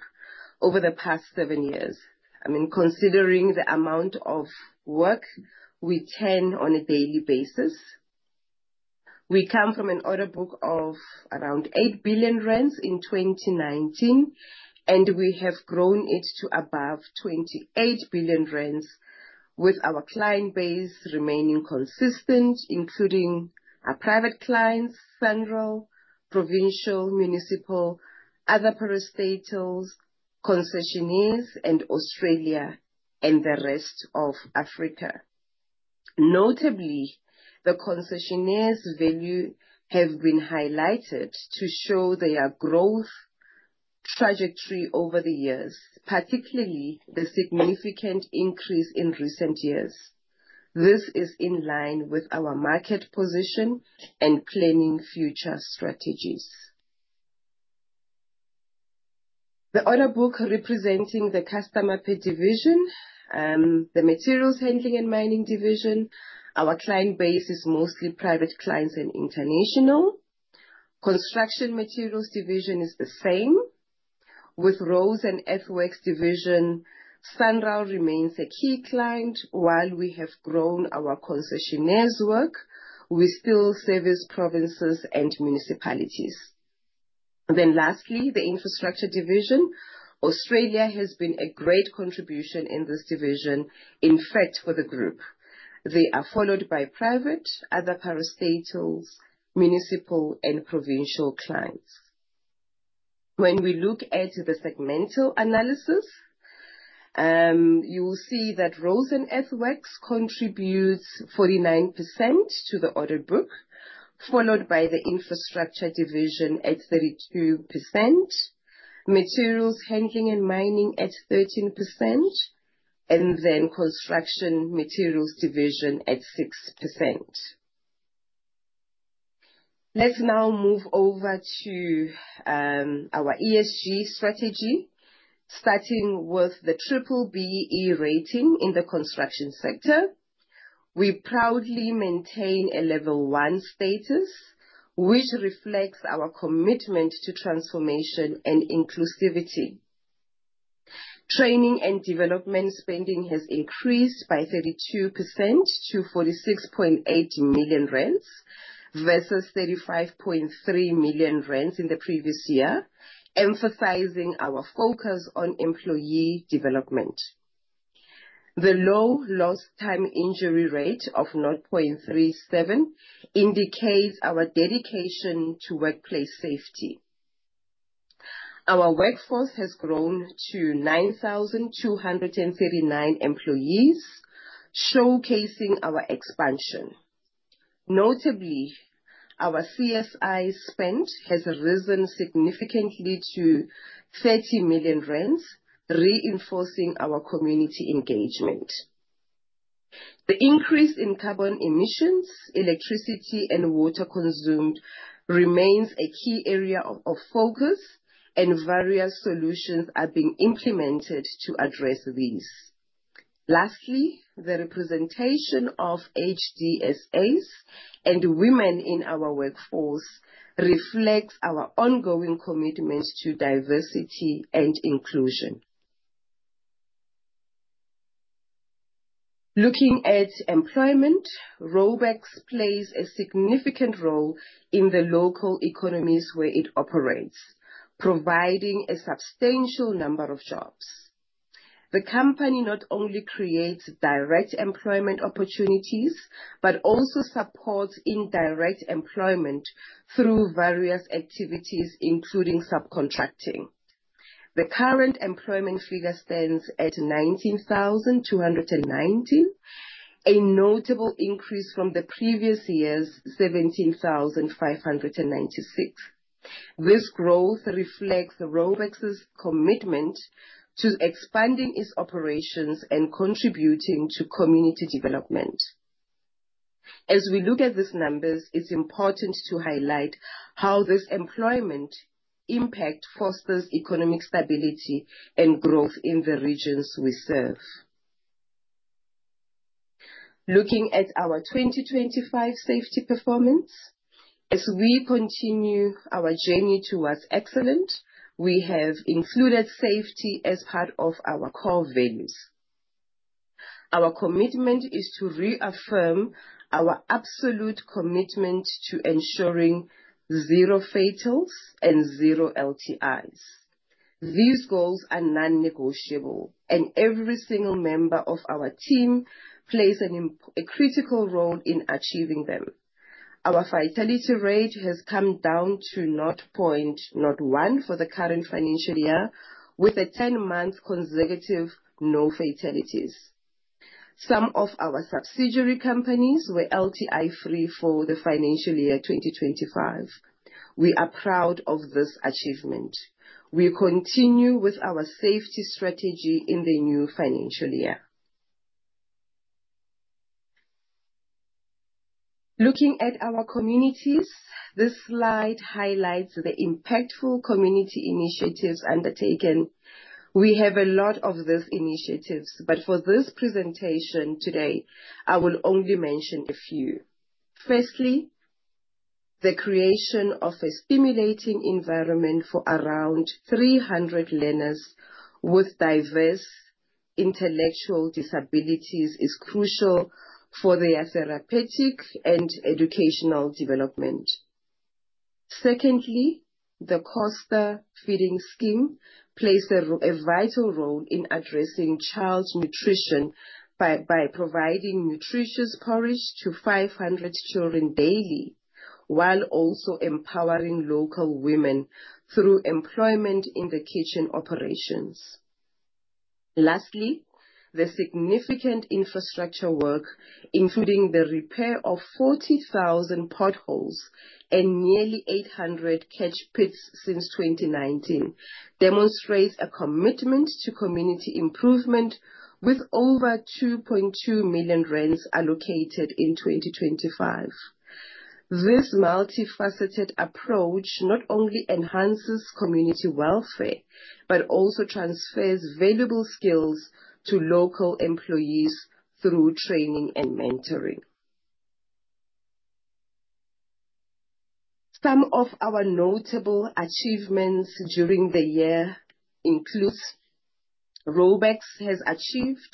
Speaker 1: over the past seven years. I mean, considering the amount of work we tender on a daily basis. We come from an order book of around 8 billion rand in 2019, and we have grown it to above 28 billion rand with our client base remaining consistent, including our private clients, SANRAL, provincial, municipal, other parastatals, concessionaire, and Australia, and the rest of Africa. Notably, the concessionaires' value has been highlighted to show their growth trajectory over the years, particularly the significant increase in recent years. This is in line with our market position and planning future strategies. The order book representing the customers per division, the materials handling and mining division, our client base is mostly private clients and international. Construction materials division is the same. With Roads and Earthworks division, SANRAL remains a key client, while we have grown our concessionaires' work, we still service provinces and municipalities. Then lastly, the infrastructure division, Australia has been a great contribution in this division, in fact, for the group. They are followed by private, other parastatals, municipal, and provincial clients. When we look at the segmental analysis, you will see that Roads and Earthworks contribute 49% to the order book, followed by the infrastructure division at 32%, materials handling and mining at 13%, and then construction materials division at 6%. Let's now move over to our ESG strategy, starting with the B-BBEE rating in the construction sector. We proudly maintain a level one status, which reflects our commitment to transformation and inclusivity. Training and development spending has increased by 32% to 46.8 million versus 35.3 million in the previous year, emphasizing our focus on employee development. The low lost time injury rate of 0.37 indicates our dedication to workplace safety. Our workforce has grown to 9,239 employees, showcasing our expansion. Notably, our CSI spend has risen significantly to 30 million rand, reinforcing our community engagement. The increase in carbon emissions, electricity, and water consumed remains a key area of focus, and various solutions are being implemented to address these. Lastly, the representation of HDSAs and women in our workforce reflects our ongoing commitment to diversity and inclusion. Looking at employment, Raubex plays a significant role in the local economies where it operates, providing a substantial number of jobs. The company not only creates direct employment opportunities but also supports indirect employment through various activities, including subcontracting. The current employment figure stands at 19,219, a notable increase from the previous year's 17,596. This growth reflects Raubex's commitment to expanding its operations and contributing to community development. As we look at these numbers, it's important to highlight how this employment impact fosters economic stability and growth in the regions we serve. Looking at our 2025 safety performance, as we continue our journey towards excellence, we have included safety as part of our core values. Our commitment is to reaffirm our absolute commitment to ensuring zero fatalities and zero LTIs. These goals are non-negotiable, and every single member of our team plays a critical role in achieving them. Our fatality rate has come down to 0.01 for the current financial year, with 10 months consecutive no fatalities. Some of our subsidiary companies were LTI-free for the financial year 2025. We are proud of this achievement. We continue with our safety strategy in the new financial year. Looking at our communities, this slide highlights the impactful community initiatives undertaken. We have a lot of these initiatives, but for this presentation today, I will only mention a few. Firstly, the creation of a stimulating environment for around 300 learners with diverse intellectual disabilities is crucial for their therapeutic and educational development. Secondly, the Koster Feeding Scheme plays a vital role in addressing child nutrition by providing nutritious porridge to 500 children daily, while also empowering local women through employment in the kitchen operations. Lastly, the significant infrastructure work, including the repair of 40,000 potholes and nearly 800 catch pits since 2019, demonstrates a commitment to community improvement with over 2.2 million allocated in 2025. This multifaceted approach not only enhances community welfare but also transfers valuable skills to local employees through training and mentoring. Some of our notable achievements during the year include. This, Raubex has achieved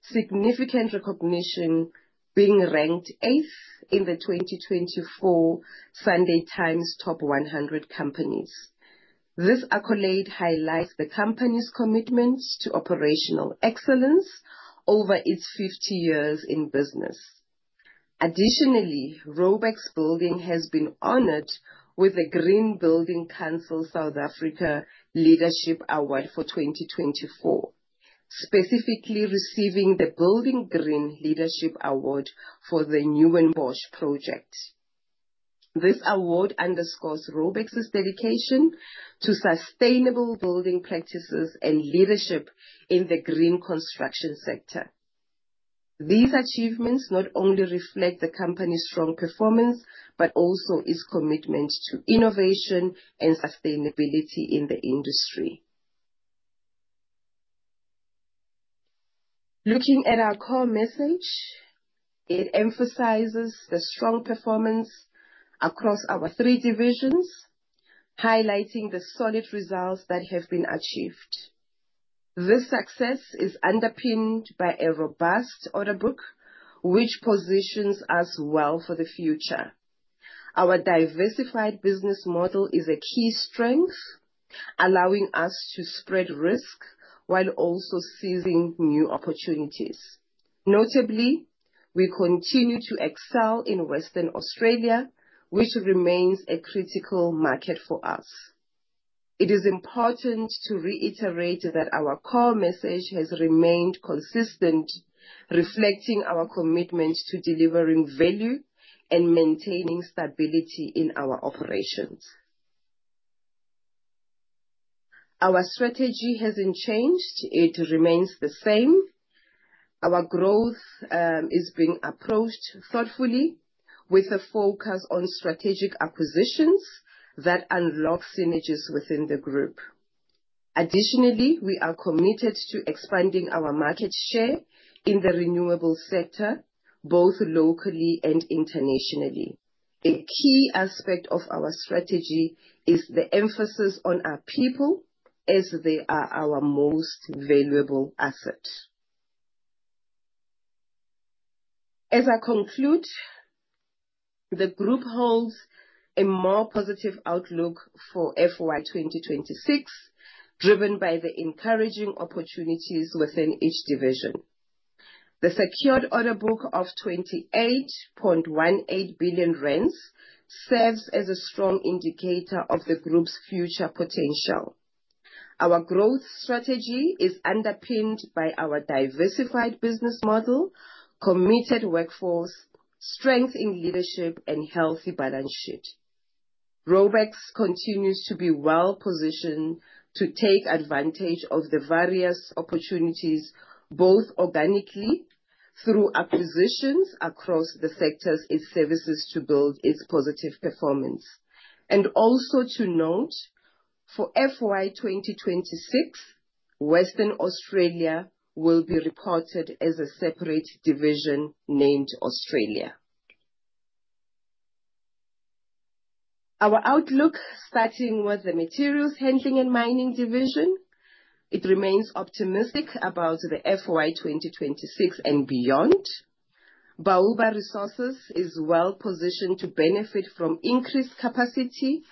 Speaker 1: significant recognition, being ranked eighth in the 2024 Sunday Times Top 100 Companies. This accolade highlights the company's commitment to operational excellence over its 50 years in business. Additionally, Raubex Building has been honored with the Green Building Council South Africa Leadership Award for 2024, specifically receiving the Building Green Leadership Award for the Newinbosch Project. This award underscores Raubex's dedication to sustainable building practices and leadership in the green construction sector. These achievements not only reflect the company's strong performance but also its commitment to innovation and sustainability in the industry. Looking at our core message, it emphasizes the strong performance across our three divisions, highlighting the solid results that have been achieved. This success is underpinned by a robust order book, which positions us well for the future. Our diversified business model is a key strength, allowing us to spread risk while also seizing new opportunities. Notably, we continue to excel in Western Australia, which remains a critical market for us. It is important to reiterate that our core message has remained consistent, reflecting our commitment to delivering value and maintaining stability in our operations. Our strategy hasn't changed. It remains the same. Our growth is being approached thoughtfully, with a focus on strategic acquisitions that unlock synergies within the group. Additionally, we are committed to expanding our market share in the renewable sector, both locally and internationally. A key aspect of our strategy is the emphasis on our people as they are our most valuable asset. As I conclude, the group holds a more positive outlook for FY 2026, driven by the encouraging opportunities within each division. The secured order book of 28.18 billion serves as a strong indicator of the group's future potential. Our growth strategy is underpinned by our diversified business model, committed workforce, strength in leadership, and healthy balance sheet. Raubex continues to be well-positioned to take advantage of the various opportunities, both organically through acquisitions across the sectors it services to build its positive performance. Also to note, for FY 2026, Western Australia will be reported as a separate division named Australia. Our outlook, starting with the materials handling and mining division, remains optimistic about the FY 2026 and beyond. Baobab Mining and Chemicals is well-positioned to benefit from increased capacity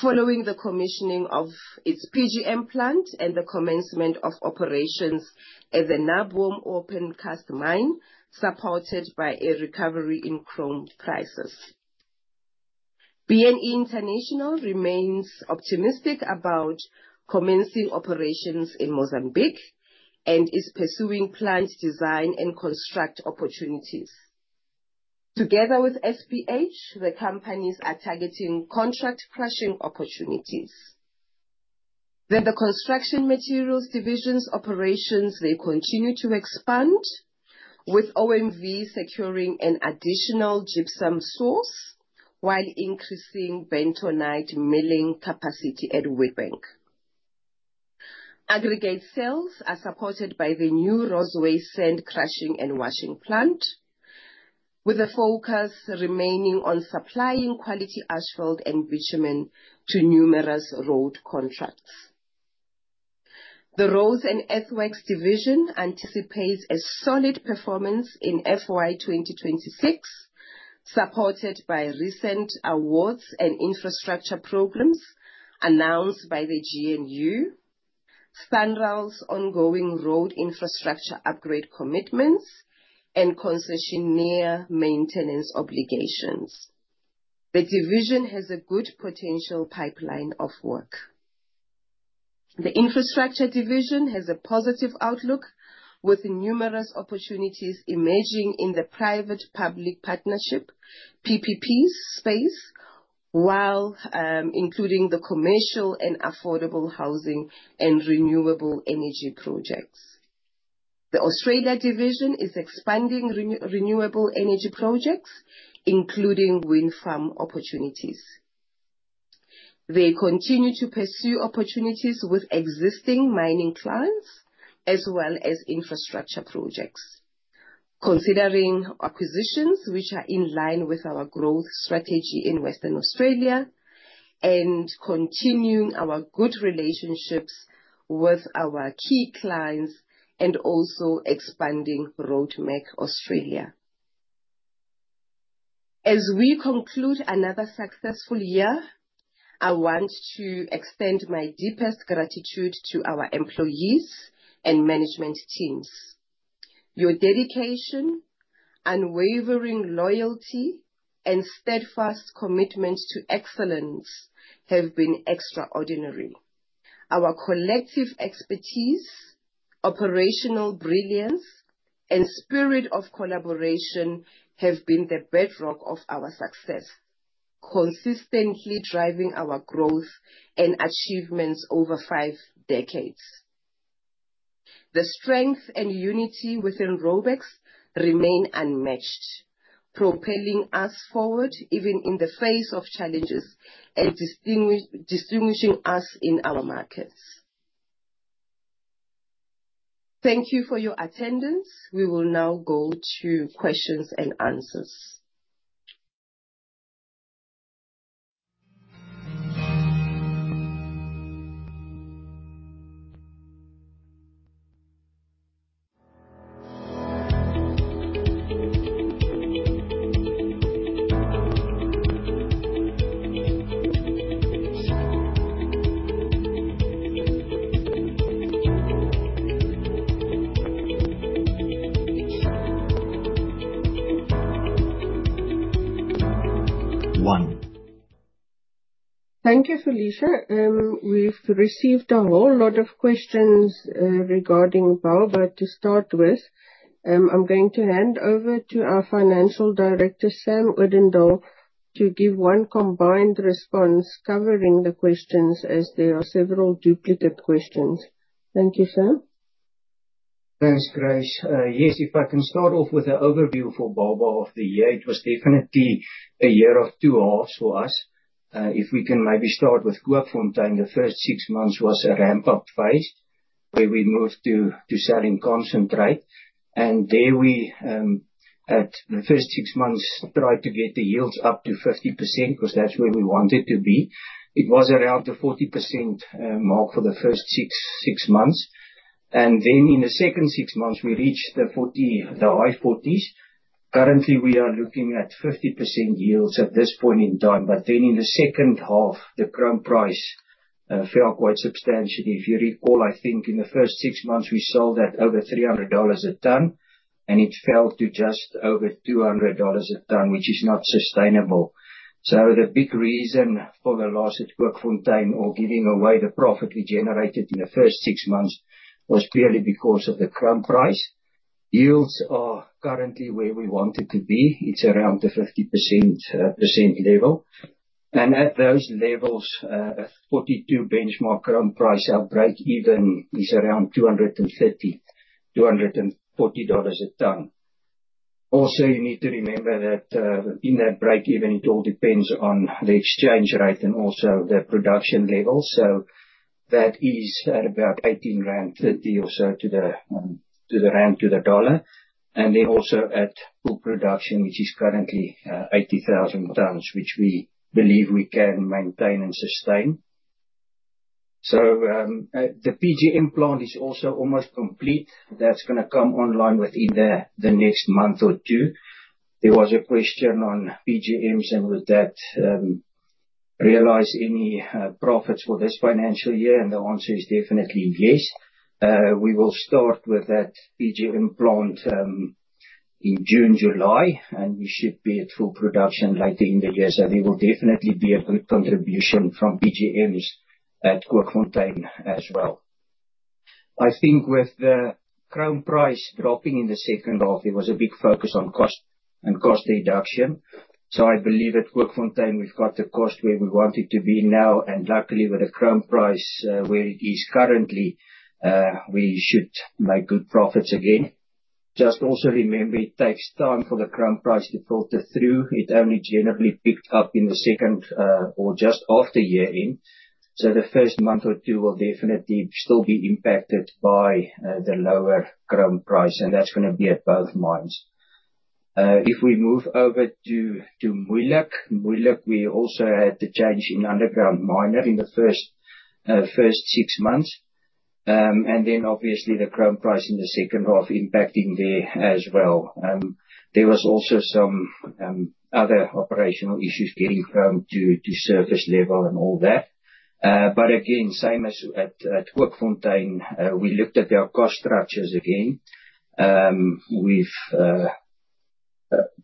Speaker 1: following the commissioning of its PGM plant and the commencement of operations at a Naboom open cast mine, supported by a recovery in chrome prices. B&E International remains optimistic about commencing operations in Mozambique and is pursuing plant design and construct opportunities. Together with SPH, the companies are targeting contract crushing opportunities. The construction materials division's operations, they continue to expand, with OMV securing an additional gypsum source while increasing bentonite milling capacity at Witbank. Aggregate sales are supported by the new Rossway Sand Crushing and Washing plant, with a focus remaining on supplying quality asphalt and bitumen to numerous road contracts. The materials and logistics division anticipates a solid performance in FY 2026, supported by recent awards and infrastructure programs announced by the GNU, SANRAL's ongoing road infrastructure upgrade commitments, and concessionaire maintenance obligations. The division has a good potential pipeline of work. The infrastructure division has a positive outlook, with numerous opportunities emerging in the public-private partnership (PPPs) space, while including the commercial and affordable housing and renewable energy projects. The Australia division is expanding renewable energy projects, including wind farm opportunities. They continue to pursue opportunities with existing mining clients as well as infrastructure projects, considering acquisitions which are in line with our growth strategy in Western Australia and continuing our good relationships with our key clients and also expanding Roadmac Australia. As we conclude another successful year, I want to extend my deepest gratitude to our employees and management teams. Your dedication, unwavering loyalty, and steadfast commitment to excellence have been extraordinary. Our collective expertise, operational brilliance, and spirit of collaboration have been the bedrock of our success, consistently driving our growth and achievements over five decades. The strength and unity within Raubex remain unmatched, propelling us forward even in the face of challenges and distinguishing us in our markets. Thank you for your attendance. We will now go to questions and answers.
Speaker 4: Thank you, Felicia. We've received a whole lot of questions regarding Baobab. To start with, I'm going to hand over to our Financial Director, Sam Odendaal, to give one combined response covering the questions, as there are several duplicate questions. Thank you, Sam.
Speaker 2: Thanks, Grace. Yes, if I can start off with an overview for Baobab of the year, it was definitely a year of two halves for us. If we can maybe start with Kookfontein, the first six months was a ramp-up phase where we moved to selling concentrate. And there we, at the first six months, tried to get the yields up to 50% because that's where we wanted to be. It was around the 40% mark for the first six months. And then in the second six months, we reached the high 40s. Currently, we are looking at 50% yields at this point in time. But then in the second half, the chrome price fell quite substantially. If you recall, I think in the first six months, we sold at over $300 a ton, and it fell to just over $200 a ton, which is not sustainable. So the big reason for the loss at Kookfontein or giving away the profit we generated in the first six months was purely because of the chrome price. Yields are currently where we wanted to be. It's around the 50% level. And at those levels, a 42%-benchmark chrome price break even is around $230-$240 a ton. Also, you need to remember that in that breakeven, it all depends on the exchange rate and also the production level. So that is at about 18.30 or so to the rand to the dollar. And then also at full production, which is currently 80,000 tons, which we believe we can maintain and sustain. So the PGM plant is also almost complete. That's going to come online within the next month or two. There was a question on PGMs, and with that, realize any profits for this financial year. The answer is definitely yes. We will start with that PGM plant in June, July, and we should be at full production later in the year. There will definitely be a good contribution from PGMs at Kookfontein as well. I think with the chrome price dropping in the second half, there was a big focus on cost and cost reduction. I believe at Kookfontein, we've got the cost where we wanted to be now. Luckily, with the chrome price where it is currently, we should make good profits again. Just also remember, it takes time for the chrome price to filter through. It only generally picked up in the second or just after year-end. The first month or two will definitely still be impacted by the lower chrome price, and that's going to be at both mines. If we move over to Moeijelijk, Moeijelijk, we also had the change in underground miner in the first six months. And then obviously, the chrome price in the second half impacting there as well. There was also some other operational issues getting chrome to surface level and all that. But again, same as at Kookfontein, we looked at their cost structures again. We've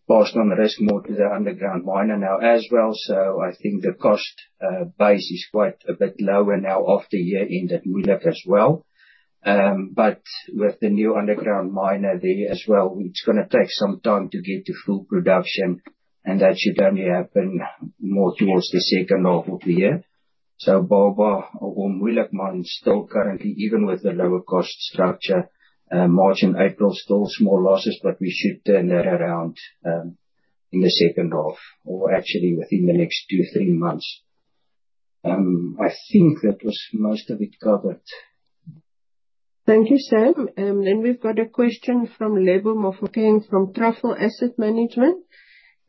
Speaker 2: passed on risk more to the underground miner now as well. So I think the cost base is quite a bit lower now after year-end at Moeijelijk as well. But with the new underground miner there as well, it's going to take some time to get to full production, and that should only happen more towards the second half of the year. Baobab or Moeijelijk mine is still currently, even with the lower cost structure, March and April still small losses, but we should turn that around in the second half or actually within the next two to three months. I think that was most of it covered.
Speaker 4: Thank you, Sam. And then we've got a question from Lebo Mofokeng from Truffle Asset Management.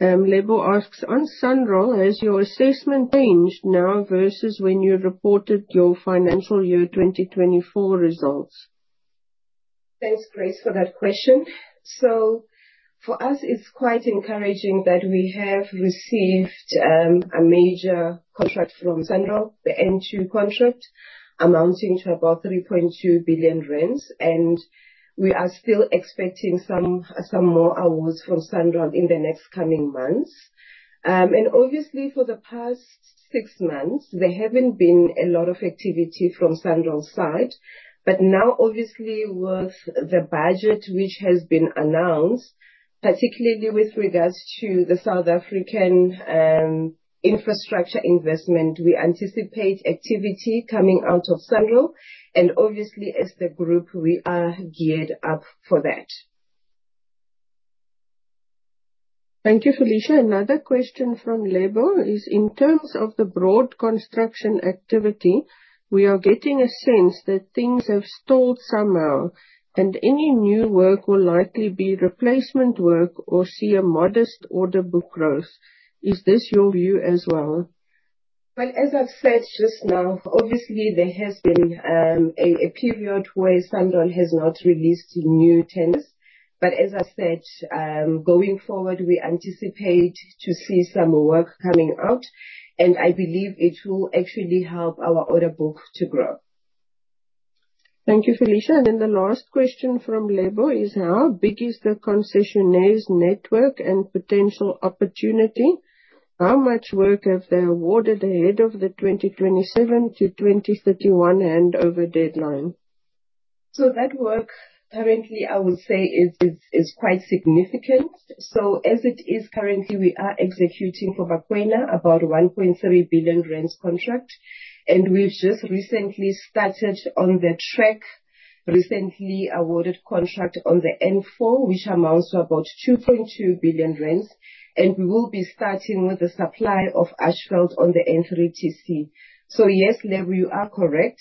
Speaker 4: Lebo asks, "On SANRAL, has your assessment changed now versus when you reported your financial year 2024 results?
Speaker 1: Thanks, Grace, for that question. So for us, it's quite encouraging that we have received a major contract from SANRAL, the N2 contract, amounting to about 3.2 billion rand. And we are still expecting some more awards from SANRAL in the next coming months. And obviously, for the past six months, there haven't been a lot of activity from SANRAL's side. But now, obviously, with the budget which has been announced, particularly with regards to the South African infrastructure investment, we anticipate activity coming out of SANRAL. And obviously, as the group, we are geared up for that.
Speaker 4: Thank you, Felicia. Another question from Lebo is, "In terms of the broad construction activity, we are getting a sense that things have stalled somehow, and any new work will likely be replacement work or see a modest order book growth. Is this your view as well?
Speaker 1: Well, as I've said just now, obviously, there has been a period where SANRAL has not released new tenders. But as I said, going forward, we anticipate to see some work coming out, and I believe it will actually help our order book to grow.
Speaker 4: Thank you, Felicia. And then the last question from Lebo is, "How big is the concessionaire's network and potential opportunity? How much work have they awarded ahead of the 2027-2031 handover deadline?
Speaker 1: So that work, currently, I would say is quite significant. So as it is currently, we are executing for Bakwena about a 1.3 billion contract. And we've just recently started on the TRAC recently awarded contract on the N4, which amounts to about 2.2 billion rand. And we will be starting with the supply of asphalt on the N3TC. So yes, Lebo, you are correct.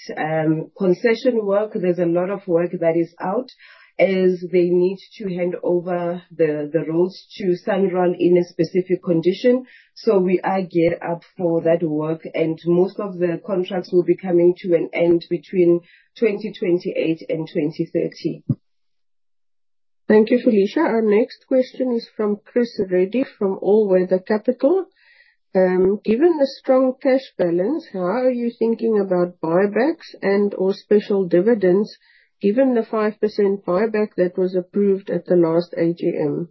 Speaker 1: Concession work, there's a lot of work that is out as they need to hand over the roads to SANRAL in a specific condition. So we are geared up for that work. And most of the contracts will be coming to an end between 2028 and 2030.
Speaker 4: Thank you, Felicia. Our next question is from Chris Reddy from All Weather Capital. "Given the strong cash balance, how are you thinking about buybacks and/or special dividends given the 5% buyback that was approved at the last AGM?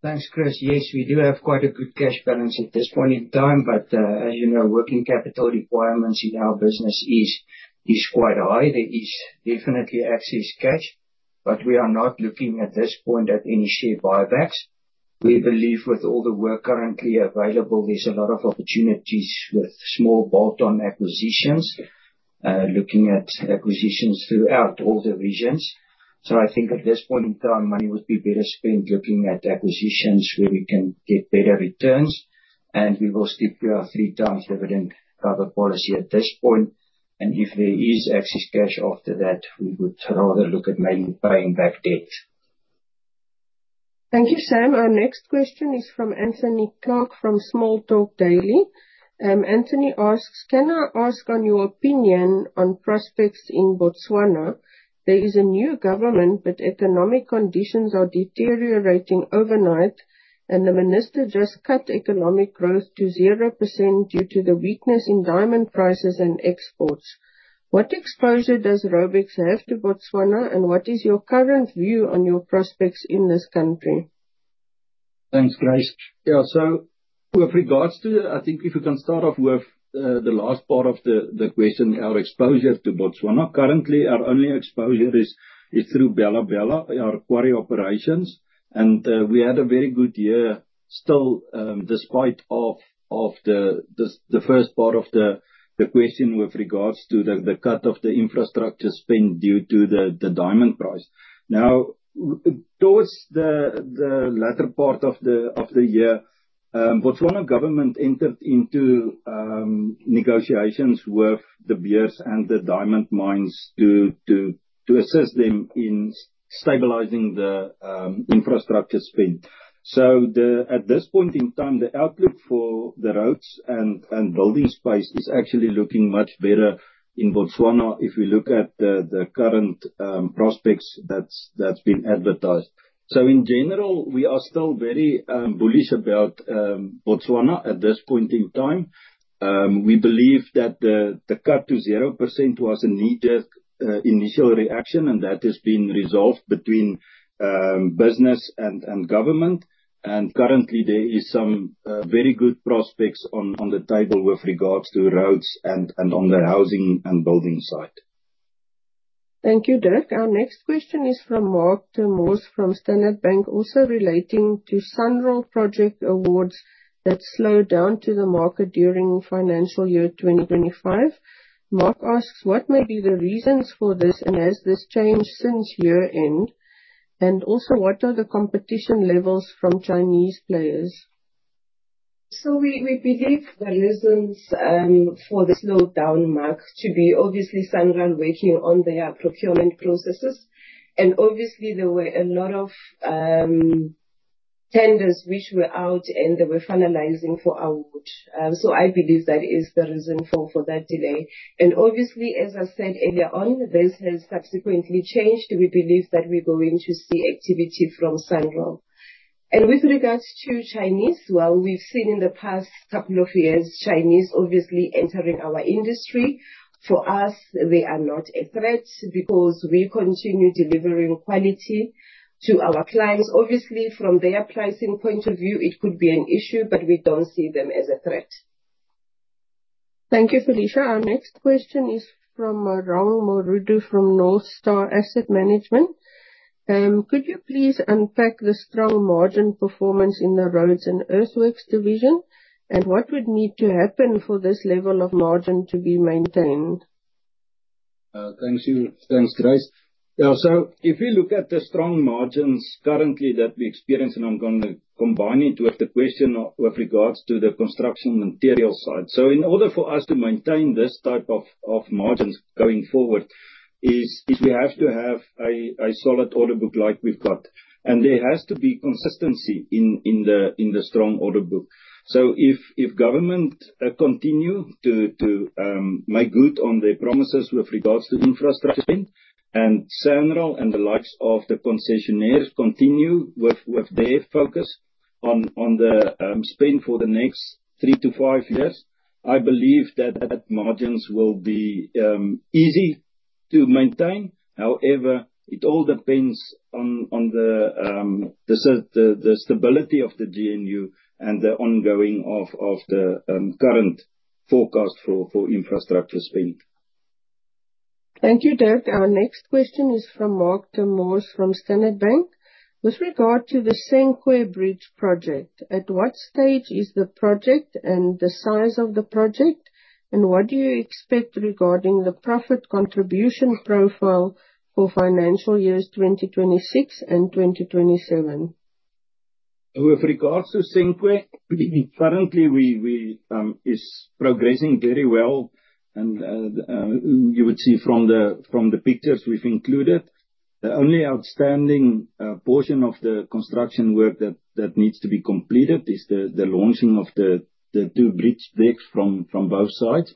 Speaker 2: Thanks, Grace. Yes, we do have quite a good cash balance at this point in time. But as you know, working capital requirements in our business is quite high. There is definitely excess cash, but we are not looking at this point at any share buybacks. We believe with all the work currently available, there's a lot of opportunities with small bolt-on acquisitions, looking at acquisitions throughout all divisions. So I think at this point in time, money would be better spent looking at acquisitions where we can get better returns. And we will stick to our three-times dividend cover policy at this point. And if there is excess cash after that, we would rather look at maybe paying back debt.
Speaker 4: Thank you, Sam. Our next question is from Anthony Clark from Small Talk Daily. Anthony asks, "Can I ask on your opinion on prospects in Botswana? There is a new government, but economic conditions are deteriorating overnight, and the minister just cut economic growth to 0% due to the weakness in diamond prices and exports. What exposure does Raubex have to Botswana, and what is your current view on your prospects in this country?
Speaker 3: Thanks, Grace. Yeah. So with regards to, I think if we can start off with the last part of the question, our exposure to Botswana, currently, our only exposure is through Bela Bela, our quarry operations. And we had a very good year still despite the first part of the question with regards to the cut of the infrastructure spend due to the diamond price. Now, towards the latter part of the year, Botswana government entered into negotiations with De Beers and the diamond mines to assist them in stabilizing the infrastructure spend. So at this point in time, the outlook for the roads and building space is actually looking much better in Botswana if we look at the current prospects that's been advertised. So in general, we are still very bullish about Botswana at this point in time. We believe that the cut to 0% was a knee-jerk initial reaction, and that has been resolved between business and government. Currently, there are some very good prospects on the table with regards to roads and on the housing and building side.
Speaker 4: Thank you, Dirk. Our next question is from Marc Ter Mors from Standard Bank, also relating to SANRAL project awards that slowed down to the market during financial year 2025. Marc asks, "What may be the reasons for this, and has this changed since year-end? And also, what are the competition levels from Chinese players?
Speaker 1: We believe the reasons for the slowdown, Marc, to be obviously SANRAL working on their procurement processes. Obviously, there were a lot of tenders which were out, and they were finalizing for award. I believe that is the reason for that delay. Obviously, as I said earlier on, this has subsequently changed. We believe that we're going to see activity from SANRAL. With regards to Chinese, well, we've seen in the past couple of years Chinese obviously entering our industry. For us, they are not a threat because we continue delivering quality to our clients. Obviously, from their pricing point of view, it could be an issue, but we don't see them as a threat.
Speaker 4: Thank you, Felicia. Our next question is from Rowan Goemans from Northstar Asset Management. "Could you please unpack the strong margin performance in the roads and earthworks division, and what would need to happen for this level of margin to be maintained?
Speaker 3: Thanks, Grace. Yeah. So if you look at the strong margins currently that we experience, and I'm going to combine it with the question with regards to the construction material side. So in order for us to maintain this type of margins going forward, we have to have a solid order book like we've got. And there has to be consistency in the strong order book. So if government continue to make good on their promises with regards to infrastructure spend and SANRAL and the likes of the concessionaires continue with their focus on the spend for the next three to five years, I believe that margins will be easy to maintain. However, it all depends on the stability of the GNU and the ongoing of the current forecast for infrastructure spend.
Speaker 4: Thank you, Dirk. Our next question is from Marc Ter Mors from Standard Bank. "With regard to the Senqu bridge project, at what stage is the project and the size of the project, and what do you expect regarding the profit contribution profile for financial years 2026 and 2027?
Speaker 3: With regards to Senqu, currently, it's progressing very well. You would see from the pictures we've included, the only outstanding portion of the construction work that needs to be completed is the launching of the two bridge decks from both sides.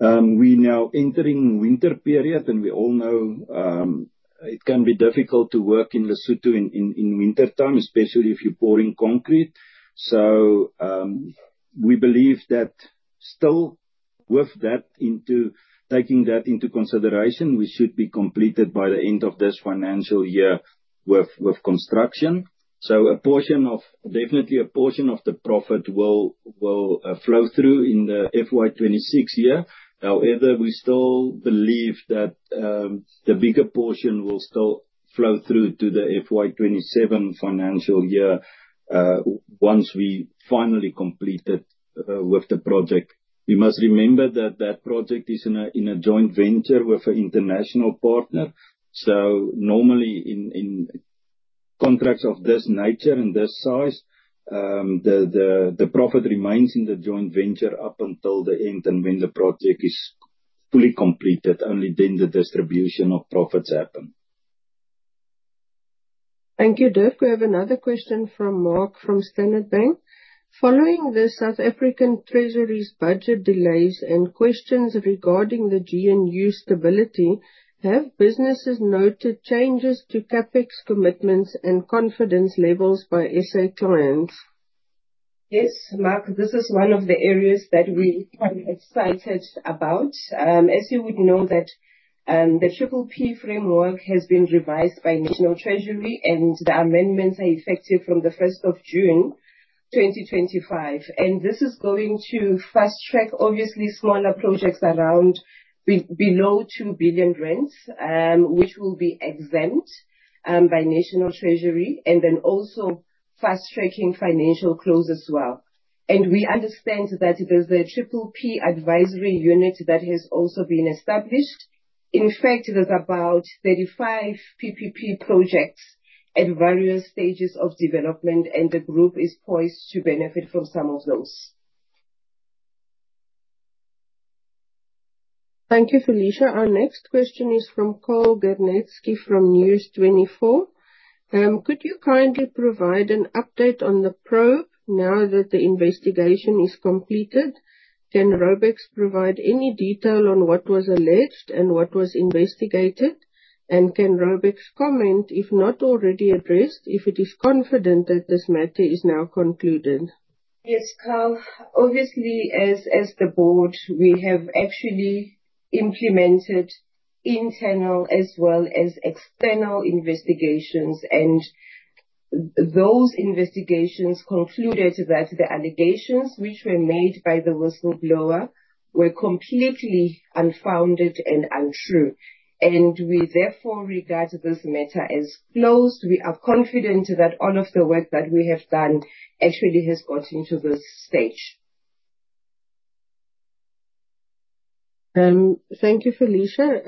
Speaker 3: We're now entering winter period, and we all know it can be difficult to work in Lesotho in wintertime, especially if you're pouring concrete. We believe that still, with that taken into consideration, we should be completed by the end of this financial year with construction. Definitely, a portion of the profit will flow through in the FY 2026 year. However, we still believe that the bigger portion will still flow through to the FY 2027 financial year once we finally completed with the project. We must remember that that project is in a joint venture with an international partner. Normally, in contracts of this nature and this size, the profit remains in the joint venture up until the end and when the project is fully completed. Only then does the distribution of profits happen.
Speaker 4: Thank you, Dirk. We have another question from Marc from Standard Bank. "Following the South African Treasury's budget delays and questions regarding the GNU stability, have businesses noted changes to CapEx commitments and confidence levels by SA clients?
Speaker 1: Yes, Marc, this is one of the areas that we're quite excited about. As you would know, the PPP framework has been revised by the National Treasury, and the amendments are effective from the 1st of June 2025. This is going to fast-track, obviously, smaller projects around below 2 billion, which will be exempt by the National Treasury and then also fast-tracking financial close as well. We understand that there's a PPP advisory unit that has also been established. In fact, there's about 35 PPP projects at various stages of development, and the group is poised to benefit from some of those.
Speaker 4: Thank you, Felicia. Our next question is from Karl Gernetzky from News24. "Could you kindly provide an update on the probe now that the investigation is completed? Can Raubex provide any detail on what was alleged and what was investigated? And can Raubex comment, if not already addressed, if it is confident that this matter is now concluded?
Speaker 1: Yes, Karl. Obviously, as the board, we have actually implemented internal as well as external investigations. Those investigations concluded that the allegations which were made by the whistleblower were completely unfounded and untrue. We therefore regard this matter as closed. We are confident that all of the work that we have done actually has gotten to this stage.
Speaker 4: Thank you, Felicia.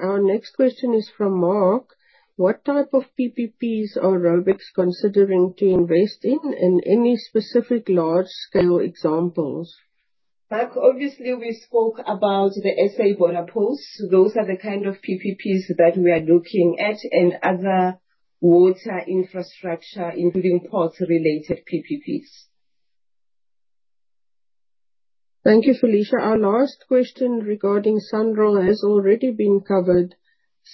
Speaker 4: Our next question is from Marc. "What type of PPPs are Raubex considering to invest in, and any specific large-scale examples?
Speaker 1: Marc, obviously, we spoke about the SA Water Boards. Those are the kind of PPPs that we are looking at and other water infrastructure, including port-related PPPs.
Speaker 4: Thank you, Felicia. Our last question regarding SANRAL has already been covered.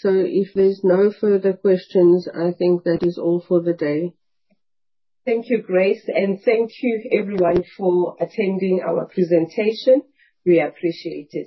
Speaker 4: If there's no further questions, I think that is all for the day.
Speaker 1: Thank you, Grace. Thank you, everyone, for attending our presentation. We appreciate it.